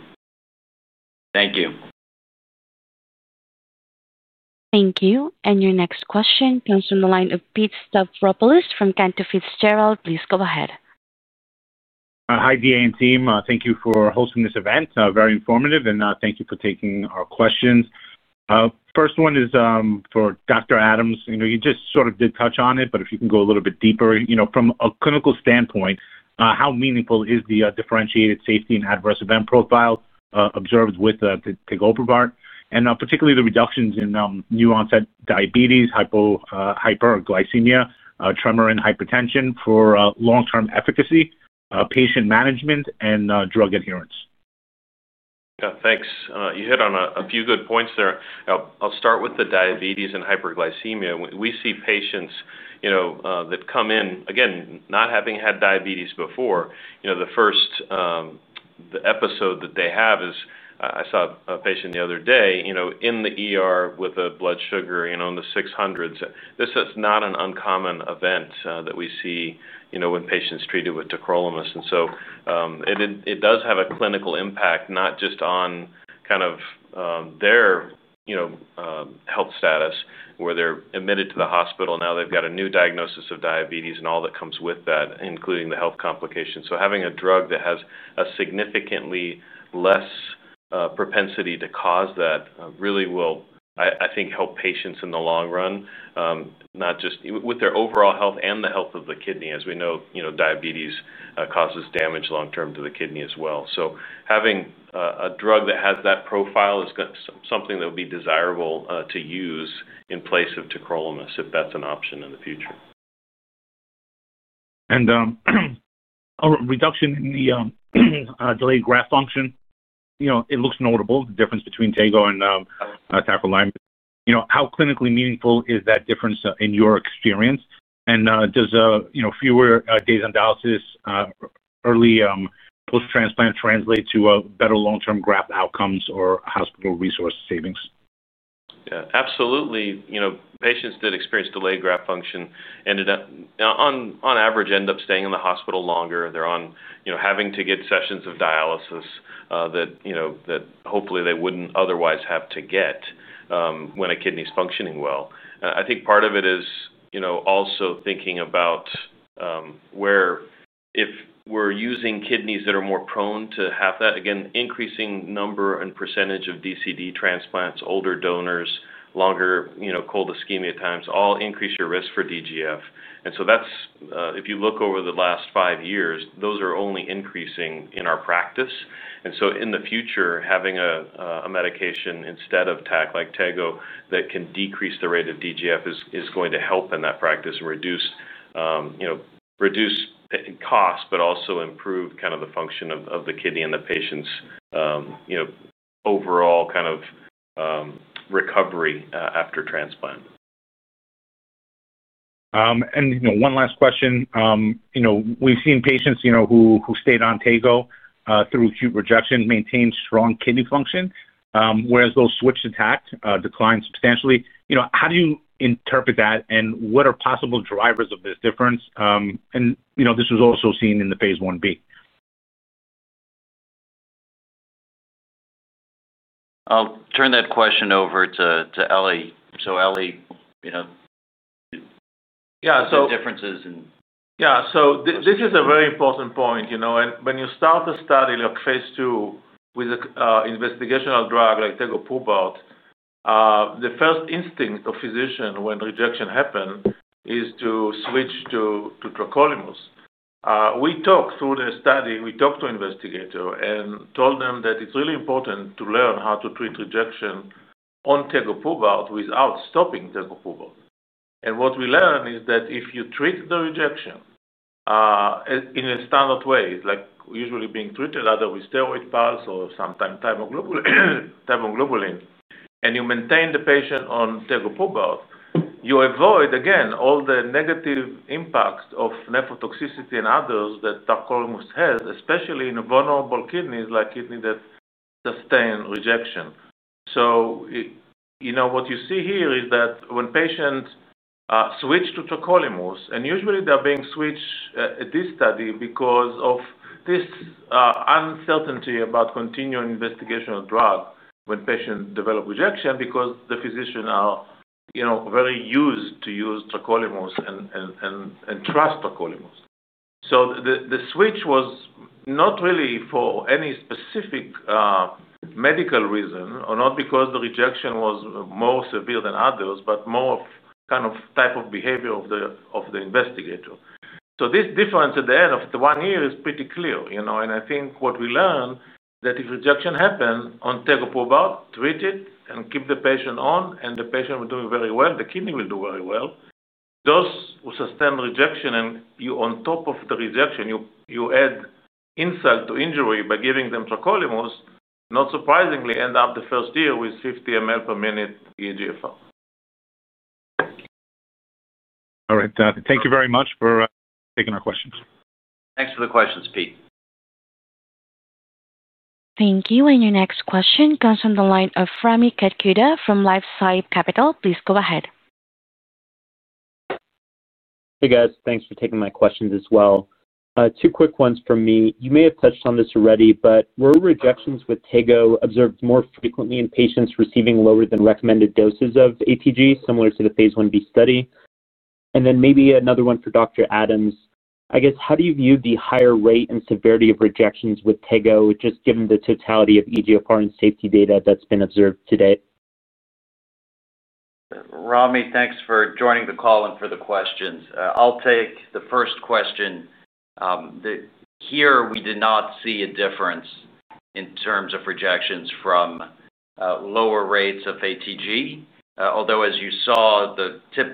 Thank you. Thank you. Your next question comes from the line of Pete Stavropoulos from Cantor Fitzgerald. Please go ahead. Hi, DA and team. Thank you for hosting this event. Very informative, and thank you for taking our questions. First one is for Dr. Adams. You just sort of did touch on it, but if you can go a little bit deeper. From a clinical standpoint, how meaningful is the differentiated safety and adverse event profile observed with tegoprubart? Particularly the reductions in new-onset diabetes, hyperglycemia, tremor, and hypertension for long-term efficacy, patient management, and drug adherence? Yeah, thanks. You hit on a few good points there. I'll start with the diabetes and hyperglycemia. We see patients that come in, again, not having had diabetes before. The first episode that they have is—I saw a patient the other day with a blood sugar in the 600s. This is not an uncommon event that we see when patients are treated with tacrolimus. It does have a clinical impact, not just on kind of their health status, where they're admitted to the hospital, now they've got a new diagnosis of diabetes and all that comes with that, including the health complications. Having a drug that has a significantly less propensity to cause that really will, I think, help patients in the long run, not just with their overall health and the health of the kidney. As we know, diabetes causes damage long-term to the kidney as well. Having a drug that has that profile is something that would be desirable to use in place of tacrolimus, if that's an option in the future. A reduction in the delayed graft function, it looks notable. The difference between tego and tacrolimus. How clinically meaningful is that difference in your experience? Does fewer days on dialysis, early post-transplant, translate to better long-term graft outcomes or hospital resource savings? Yeah, absolutely. Patients that experience delayed graft function, on average, end up staying in the hospital longer. They're on having to get sessions of dialysis that hopefully they wouldn't otherwise have to get when a kidney is functioning well. I think part of it is also thinking about where if we're using kidneys that are more prone to have that, again, increasing number and percentage of DCD transplants, older donors, longer cold ischemia times, all increase your risk for DGF. If you look over the last five years, those are only increasing in our practice. In the future, having a medication instead of tac like tego that can decrease the rate of DGF is going to help in that practice and reduce costs, but also improve kind of the function of the kidney and the patient's overall kind of recovery after transplant. One last question. We've seen patients who stayed on tego through acute rejection maintain strong kidney function, whereas those switched to tac declined substantially. How do you interpret that, and what are possible drivers of this difference? This was also seen in the phase I-B. I'll turn that question over to Elie. Elie, what are the differences in? Yeah. This is a very important point. When you start a study like phase II with an investigational drug like tegoprubart, the first instinct of physician when rejection happens is to switch to tacrolimus. We talked through the study. We talked to investigators and told them that it's really important to learn how to treat rejection on tegoprubart without stopping tegoprubart. What we learned is that if you treat the rejection in a standard way, like usually being treated either with steroid pulse or sometimes thymoglobulin, and you maintain the patient on tegoprubart, you avoid, again, all the negative impacts of nephrotoxicity and others that tacrolimus has, especially in vulnerable kidneys like kidneys that sustain rejection. What you see here is that when patients switch to tacrolimus, and usually they're being switched at this study because of this uncertainty about continuing investigational drug when patients develop rejection because the physicians are very used to use tacrolimus and trust tacrolimus. The switch was not really for any specific medical reason, not because the rejection was more severe than others, but more of kind of type of behavior of the investigator. This difference at the end of the one year is pretty clear. I think what we learned is that if rejection happens on tegoprubart, treat it and keep the patient on, and the patient will do very well, the kidney will do very well. Those who sustain rejection, and on top of the rejection, you add insult to injury by giving them tacrolimus, not surprisingly, end up the first year with 50 mL/min eGFR. All right, [thanks]. Thank you very much for taking our questions. Thanks for the questions, Pete. Thank you. Your next question comes from the line of Rami Katkhuda from LifeSci Capital. Please go ahead. Hey, guys. Thanks for taking my questions as well. Two quick ones from me. You may have touched on this already, but were rejections with tego observed more frequently in patients receiving lower than recommended doses of ATG, similar to the phase I-B study? Maybe another one for Dr. Adams. I guess, how do you view the higher rate and severity of rejections with tego, just given the totality of eGFR and safety data that's been observed today? Rami, thanks for joining the call and for the questions. I'll take the first question. Here, we did not see a difference in terms of rejections from lower rates of ATG, although, as you saw,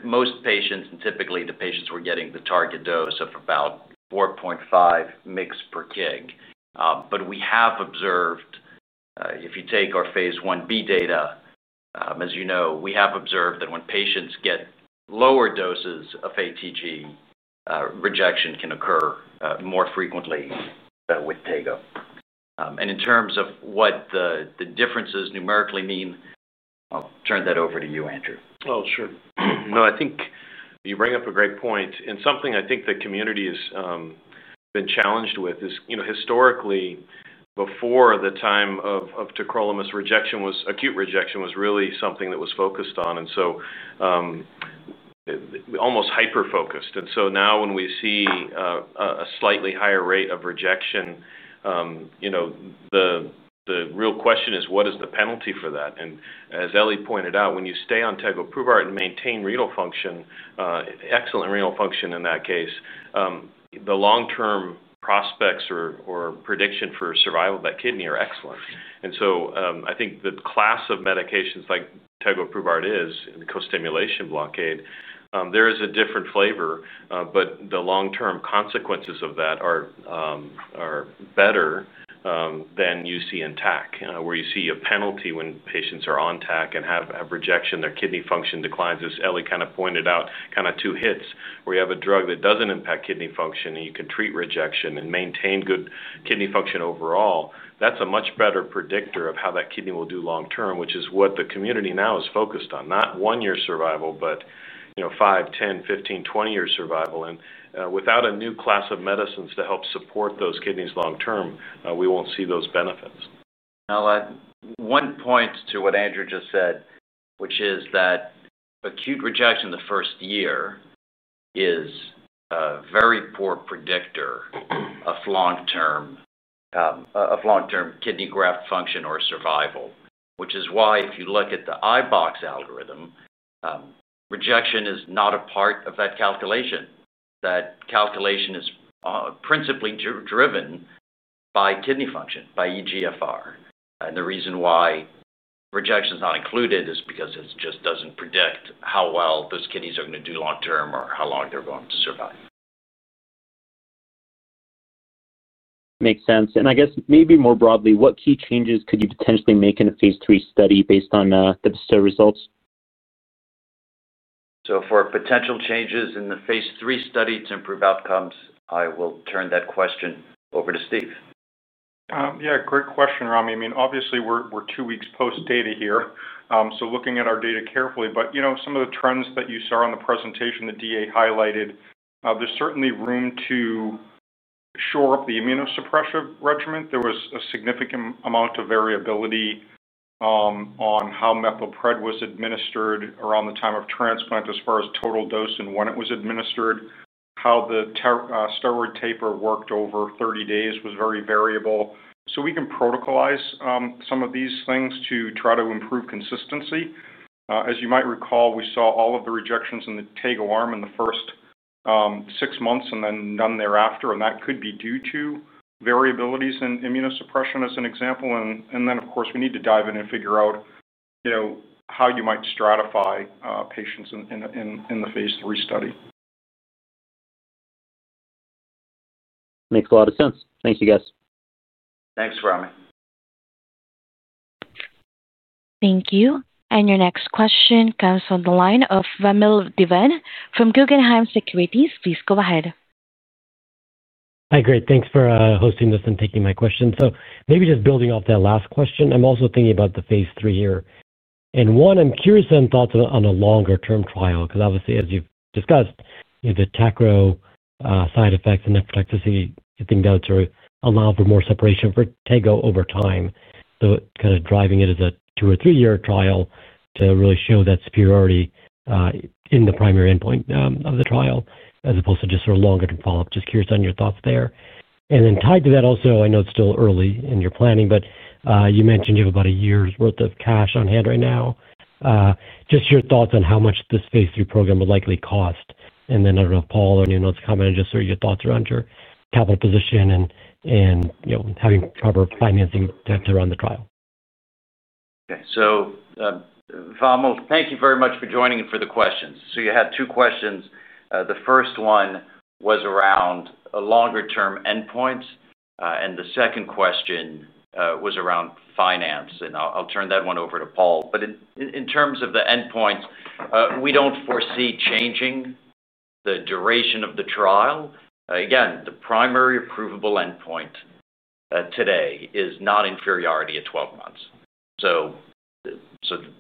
most patients, and typically the patients were getting the target dose of about 4.5 mg/kg. But we have observed, if you take our phase I-B data, as you know, we have observed that when patients get lower doses of ATG, rejection can occur more frequently with tego. In terms of what the differences numerically mean, I'll turn that over to you, Andrew. Oh, sure. No, I think you bring up a great point. Something I think the community has been challenged with is, historically, before the time of tacrolimus, acute rejection was really something that was focused on, and so almost hyper-focused. Now when we see a slightly higher rate of rejection, the real question is, what is the penalty for that? As Elie pointed out, when you stay on tegoprubart and maintain renal function, excellent renal function in that case, the long-term prospects or prediction for survival of that kidney are excellent. I think the class of medications like tegoprubart is, the co-stimulation blockade, there is a different flavor, but the long-term consequences of that are better than you see in tac, where you see a penalty when patients are on tac and have rejection, their kidney function declines. As Elie kind of pointed out, kind of two hits, where you have a drug that doesn't impact kidney function and you can treat rejection and maintain good kidney function overall, that's a much better predictor of how that kidney will do long-term, which is what the community now is focused on, not one-year survival, but 5, 10, 15, 20-year survival. Without a new class of medicines to help support those kidneys long-term, we won't see those benefits. I'll add one point to what Andrew just said, which is that acute rejection the first year is a very poor predictor of long-term kidney graft function or survival, which is why if you look at the iBOX algorithm, rejection is not a part of that calculation. That calculation is principally driven by kidney function, by eGFR. The reason why rejection is not included is because it just does not predict how well those kidneys are going to do long-term or how long they are going to survive. Makes sense. I guess maybe more broadly, what key changes could you potentially make in a phase III study based on the results? For potential changes in the phase III study to improve outcomes, I will turn that question over to Steve. Yeah, great question, Rami. I mean, obviously, we are two weeks post-data here, so looking at our data carefully. Some of the trends that you saw in the presentation that DA highlighted, there is certainly room to shore up the immunosuppressive regimen. There was a significant amount of variability on how [Meplepret] was administered around the time of transplant as far as total dose and when it was administered. How the steroid taper worked over 30 days was very variable. We can protocolize some of these things to try to improve consistency. As you might recall, we saw all of the rejections in the tego arm in the first six months and then none thereafter. That could be due to variabilities in immunosuppression, as an example. Of course, we need to dive in and figure out how you might stratify patients in the phase III study. Makes a lot of sense. Thanks, you guys. Thanks, Rami. Thank you. Your next question comes from the line of Vamil Divan from Guggenheim Securities. Please go ahead. Hi, great. Thanks for hosting this and taking my question. Maybe just building off that last question, I'm also thinking about the phase III here. One, I'm curious on thoughts on a longer-term trial because, obviously, as you've discussed, the tacro side effects and nephrotoxicity thing down to allow for more separation for tego over time. Kind of driving it as a two or three-year trial to really show that superiority in the primary endpoint of the trial as opposed to just sort of longer-term follow-up. Just curious on your thoughts there. Tied to that also, I know it's still early in your planning, but you mentioned you have about a year's worth of cash on hand right now. Just your thoughts on how much this phase III program would likely cost. I don't know if Paul or anyone else commented, just sort of your thoughts around your capital position and having proper financing to run the trial. Okay. Vamil, thank you very much for joining and for the questions. You had two questions. The first one was around longer-term endpoints, and the second question was around finance. I'll turn that one over to Paul. In terms of the endpoints, we don't foresee changing the duration of the trial. Again, the primary approvable endpoint today is non-inferiority at 12 months.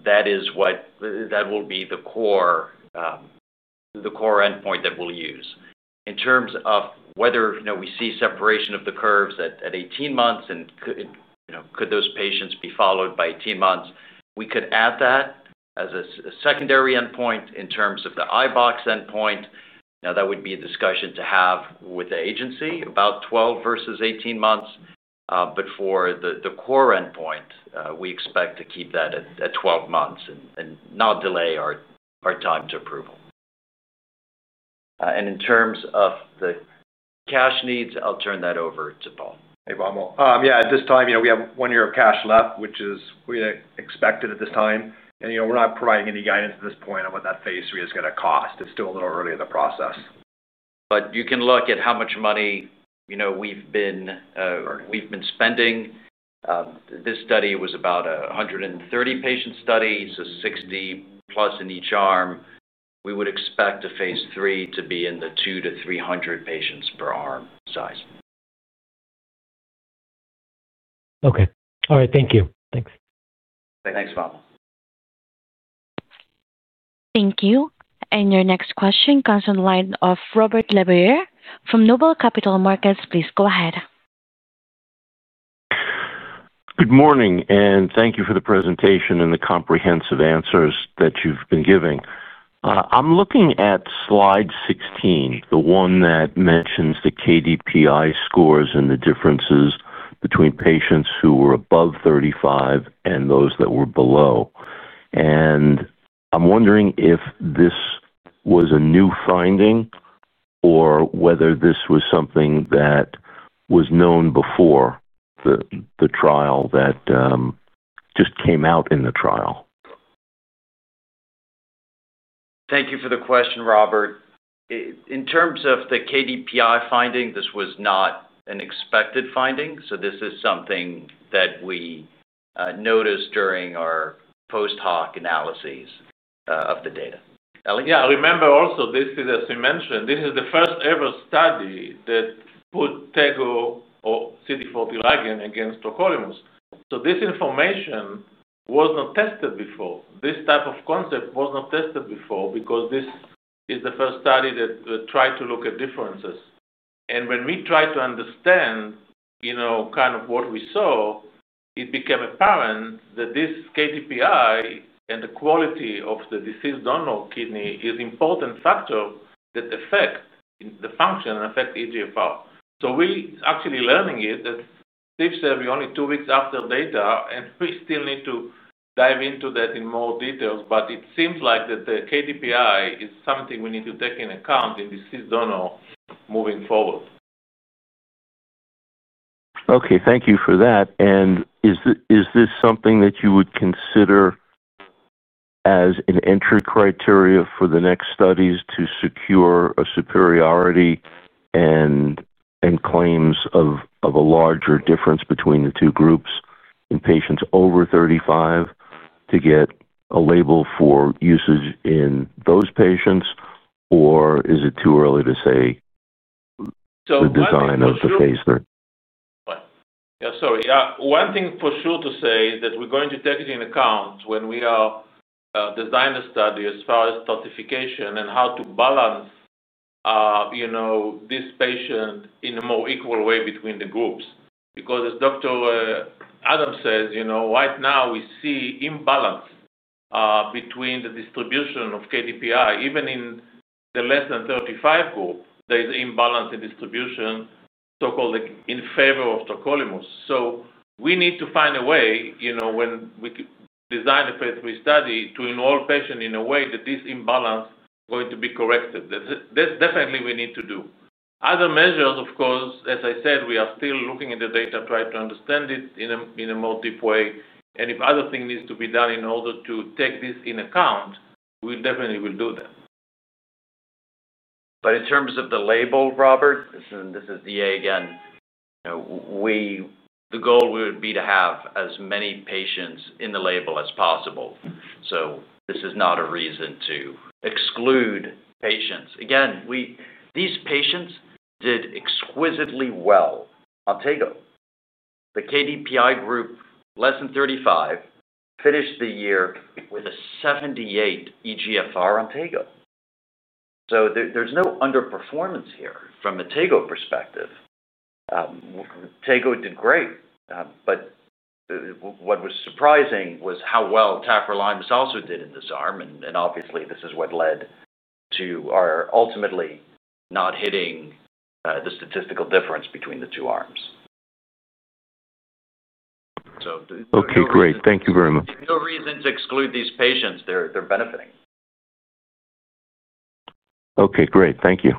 That will be the core endpoint that we'll use. In terms of whether we see separation of the curves at 18 months and could those patients be followed by 18 months, we could add that as a secondary endpoint in terms of the iBOX endpoint. That would be a discussion to have with the agency about 12 versus 18 months. For the core endpoint, we expect to keep that at 12 months and not delay our time to approval. In terms of the cash needs, I'll turn that over to Paul. Hey, Vamil. Yeah, at this time, we have one year of cash left, which is what we expected at this time. We're not providing any guidance at this point on what that phase III is going to cost. It's still a little early in the process. You can look at how much money we've been spending. This study was about a 130-patient study, so 60+ in each arm. We would expect a phase III to be in the 200-300 patients per arm size. Okay. All right. Thank you. Thanks. Thanks, Vamil. Thank you. Your next question comes on the line of Robert LeBoyer from Noble Capital Markets. Please go ahead. Good morning, and thank you for the presentation and the comprehensive answers that you've been giving. I'm looking at slide 16, the one that mentions the KDPI scores and the differences between patients who were above 35 and those that were below. I'm wondering if this was a new finding or whether this was something that was known before the trial that just came out in the trial. Thank you for the question, Robert. In terms of the KDPI finding, this was not an expected finding. This is something that we noticed during our post-hoc analyses of the data. Elie? Yeah. Remember also, as you mentioned, this is the first-ever study that put tego or CD40 ligand against tacrolimus. This information was not tested before. This type of concept was not tested before because this is the first study that tried to look at differences. When we tried to understand kind of what we saw, it became apparent that this KDPI and the quality of the deceased-donor kidney is an important factor that affects the function and affects eGFR. We're actually learning it, as Steve said, we're only two weeks after data, and we still need to dive into that in more detail. It seems like the KDPI is something we need to take into account in deceased-donor moving forward. Okay. Thank you for that. Is this something that you would consider as an entry criteria for the next studies to secure a superiority and claims of a larger difference between the two groups in patients over 35 to get a label for usage in those patients, or is it too early to say the design of the phase III? Yeah. One thing for sure to say is that we're going to take it into account when we design the study as far as toxification and how to balance this patient in a more equal way between the groups. Because as Dr. Adams says, right now, we see imbalance between the distribution of KDPI. Even in the less-than-35 group, there is imbalance in distribution, so-called in favor of tacrolimus. We need to find a way when we design a phase III study to involve patients in a way that this imbalance is going to be corrected. That's definitely what we need to do. Other measures, of course, as I said, we are still looking at the data to try to understand it in a more deep way. If other things need to be done in order to take this into account, we definitely will do that. In terms of the label, Robert. This is the DA again. The goal would be to have as many patients in the label as possible. This is not a reason to exclude patients. These patients did exquisitely well on tego. The KDPI group, less than 35, finished the year with a 78 eGFR on tego. There is no underperformance here from the tego perspective. Tego did great. What was surprising was how well tacrolimus also did in this arm. Obviously, this is what led to our ultimately not hitting the statistical difference between the two arms. Okay. Great. Thank you very much. No reason to exclude these patients. They're benefiting. Okay. Great. Thank you.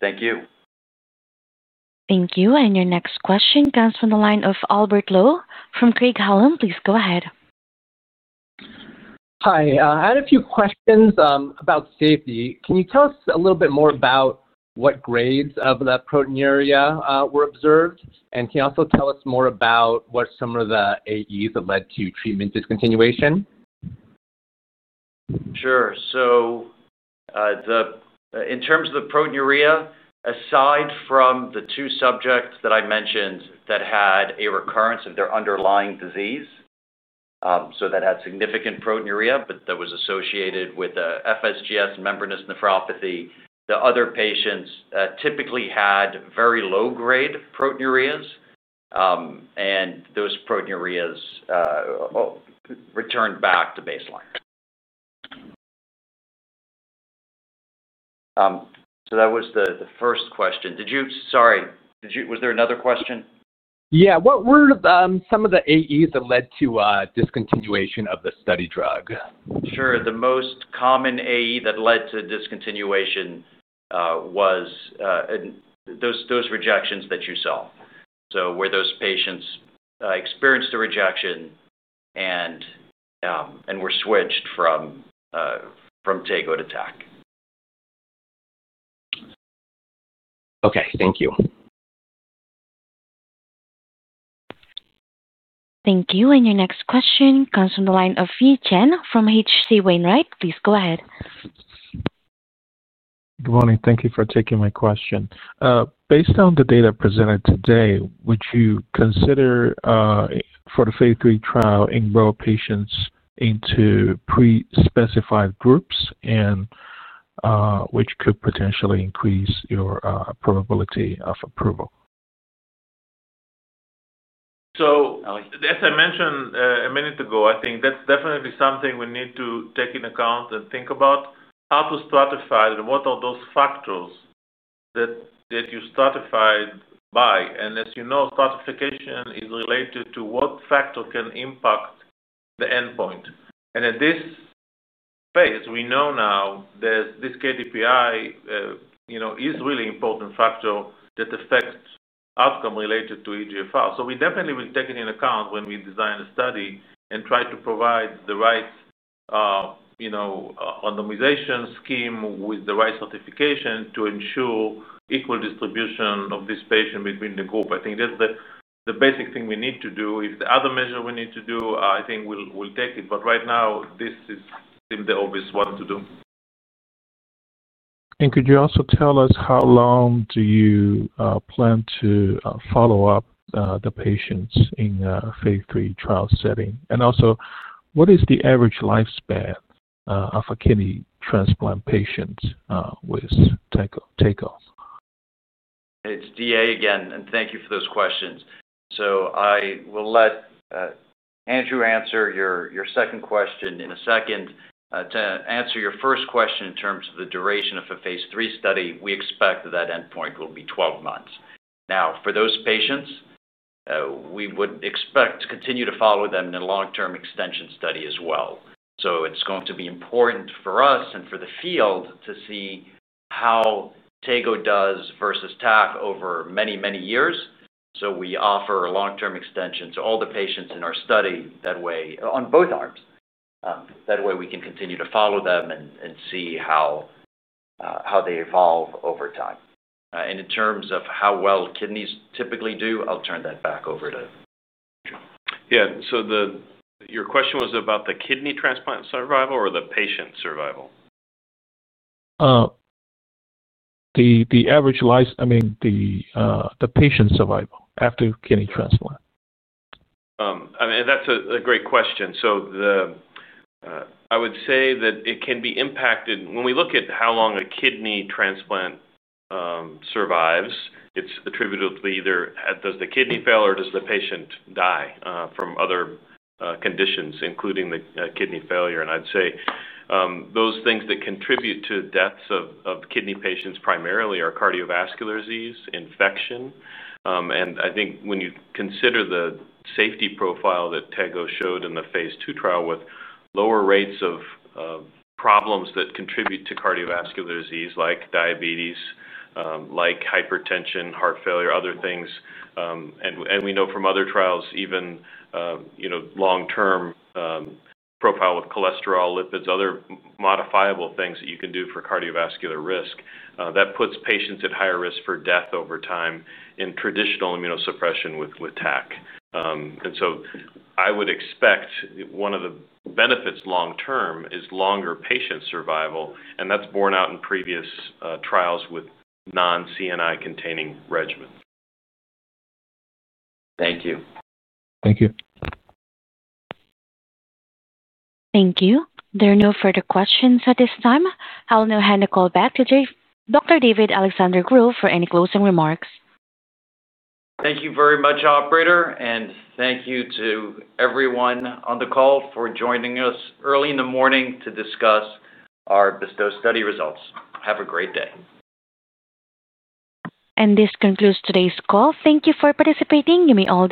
Thank you. Thank you. Your next question comes from the line of Albert Lowe from Craig-Hallum. Please go ahead. Hi. I had a few questions about safety. Can you tell us a little bit more about what grades of the proteinuria were observed? And can you also tell us more about what some of the AEs that led to treatment discontinuation? Sure. In terms of the proteinuria, aside from the two subjects that I mentioned that had a recurrence of their underlying disease, so that had significant proteinuria, but that was associated with FSGS membranous nephropathy, the other patients typically had very low-grade proteinuria, and those proteinuria returned back to baseline. That was the first question. Sorry. Was there another question? Yeah. What were some of the AEs that led to discontinuation of the study drug? Sure. The most common AE that led to discontinuation was those rejections that you saw. Where those patients experienced a rejection and were switched from tego to tac. Okay. Thank you. Thank you. Your next question comes from the line of Yi Chen from H.C. Wainwright. Please go ahead. Good morning. Thank you for taking my question. Based on the data presented today, would you consider for the phase III trial enroll patients into pre-specified groups, which could potentially increase your probability of approval? As I mentioned a minute ago, I think that's definitely something we need to take into account and think about. How to stratify? What are those factors that you stratify by? As you know, stratification is related to what factor can impact the endpoint. At this phase, we know now this KDPI is a really important factor that affects outcome related to eGFR. We definitely will take it into account when we design a study and try to provide the right randomization scheme with the right stratification to ensure equal distribution of this patient between the group. I think that's the basic thing we need to do. If the other measure we need to do, I think we'll take it. Right now, this is the obvious one to do. Could you also tell us how long do you plan to follow up the patients in a phase III trial setting? Also, what is the average lifespan of a kidney transplant patient with tego? It's DA again. Thank you for those questions. I will let Andrew answer your second question in a second. To answer your first question in terms of the duration of a phase III study, we expect that that endpoint will be 12 months. Now, for those patients, we would expect to continue to follow them in a long-term extension study as well. It is going to be important for us and for the field to see how tego does versus tac over many, many years. We offer a long-term extension to all the patients in our study on both arms. That way, we can continue to follow them and see how they evolve over time. In terms of how well kidneys typically do, I'll turn that back over to Andrew. Yeah. Your question was about the kidney transplant survival or the patient survival? The average life—I mean, the patient survival after kidney transplant. I mean, that's a great question. I would say that it can be impacted. When we look at how long a kidney transplant survives, it's attributed to either does the kidney fail or does the patient die from other conditions, including kidney failure. I'd say those things that contribute to deaths of kidney patients primarily are cardiovascular disease, infection. I think when you consider the safety profile that tego showed in the phase II trial with lower rates of problems that contribute to cardiovascular disease like diabetes, like hypertension, heart failure, other things. We know from other trials, even long-term profile with cholesterol, lipids, other modifiable things that you can do for cardiovascular risk. That puts patients at higher risk for death over time in traditional immunosuppression with tac. I would expect one of the benefits long-term is longer patient survival. That's borne out in previous trials with non-CNI-containing regimens. Thank you. Thank you. Thank you. There are no further questions at this time. I'll now hand the call back to Dr. David-Alexandre Gros for any closing remarks. Thank you very much, Operator. Thank you to everyone on the call for joining us early in the morning to discuss our BESTOW study results. Have a great day. This concludes today's call. Thank you for participating. You may also.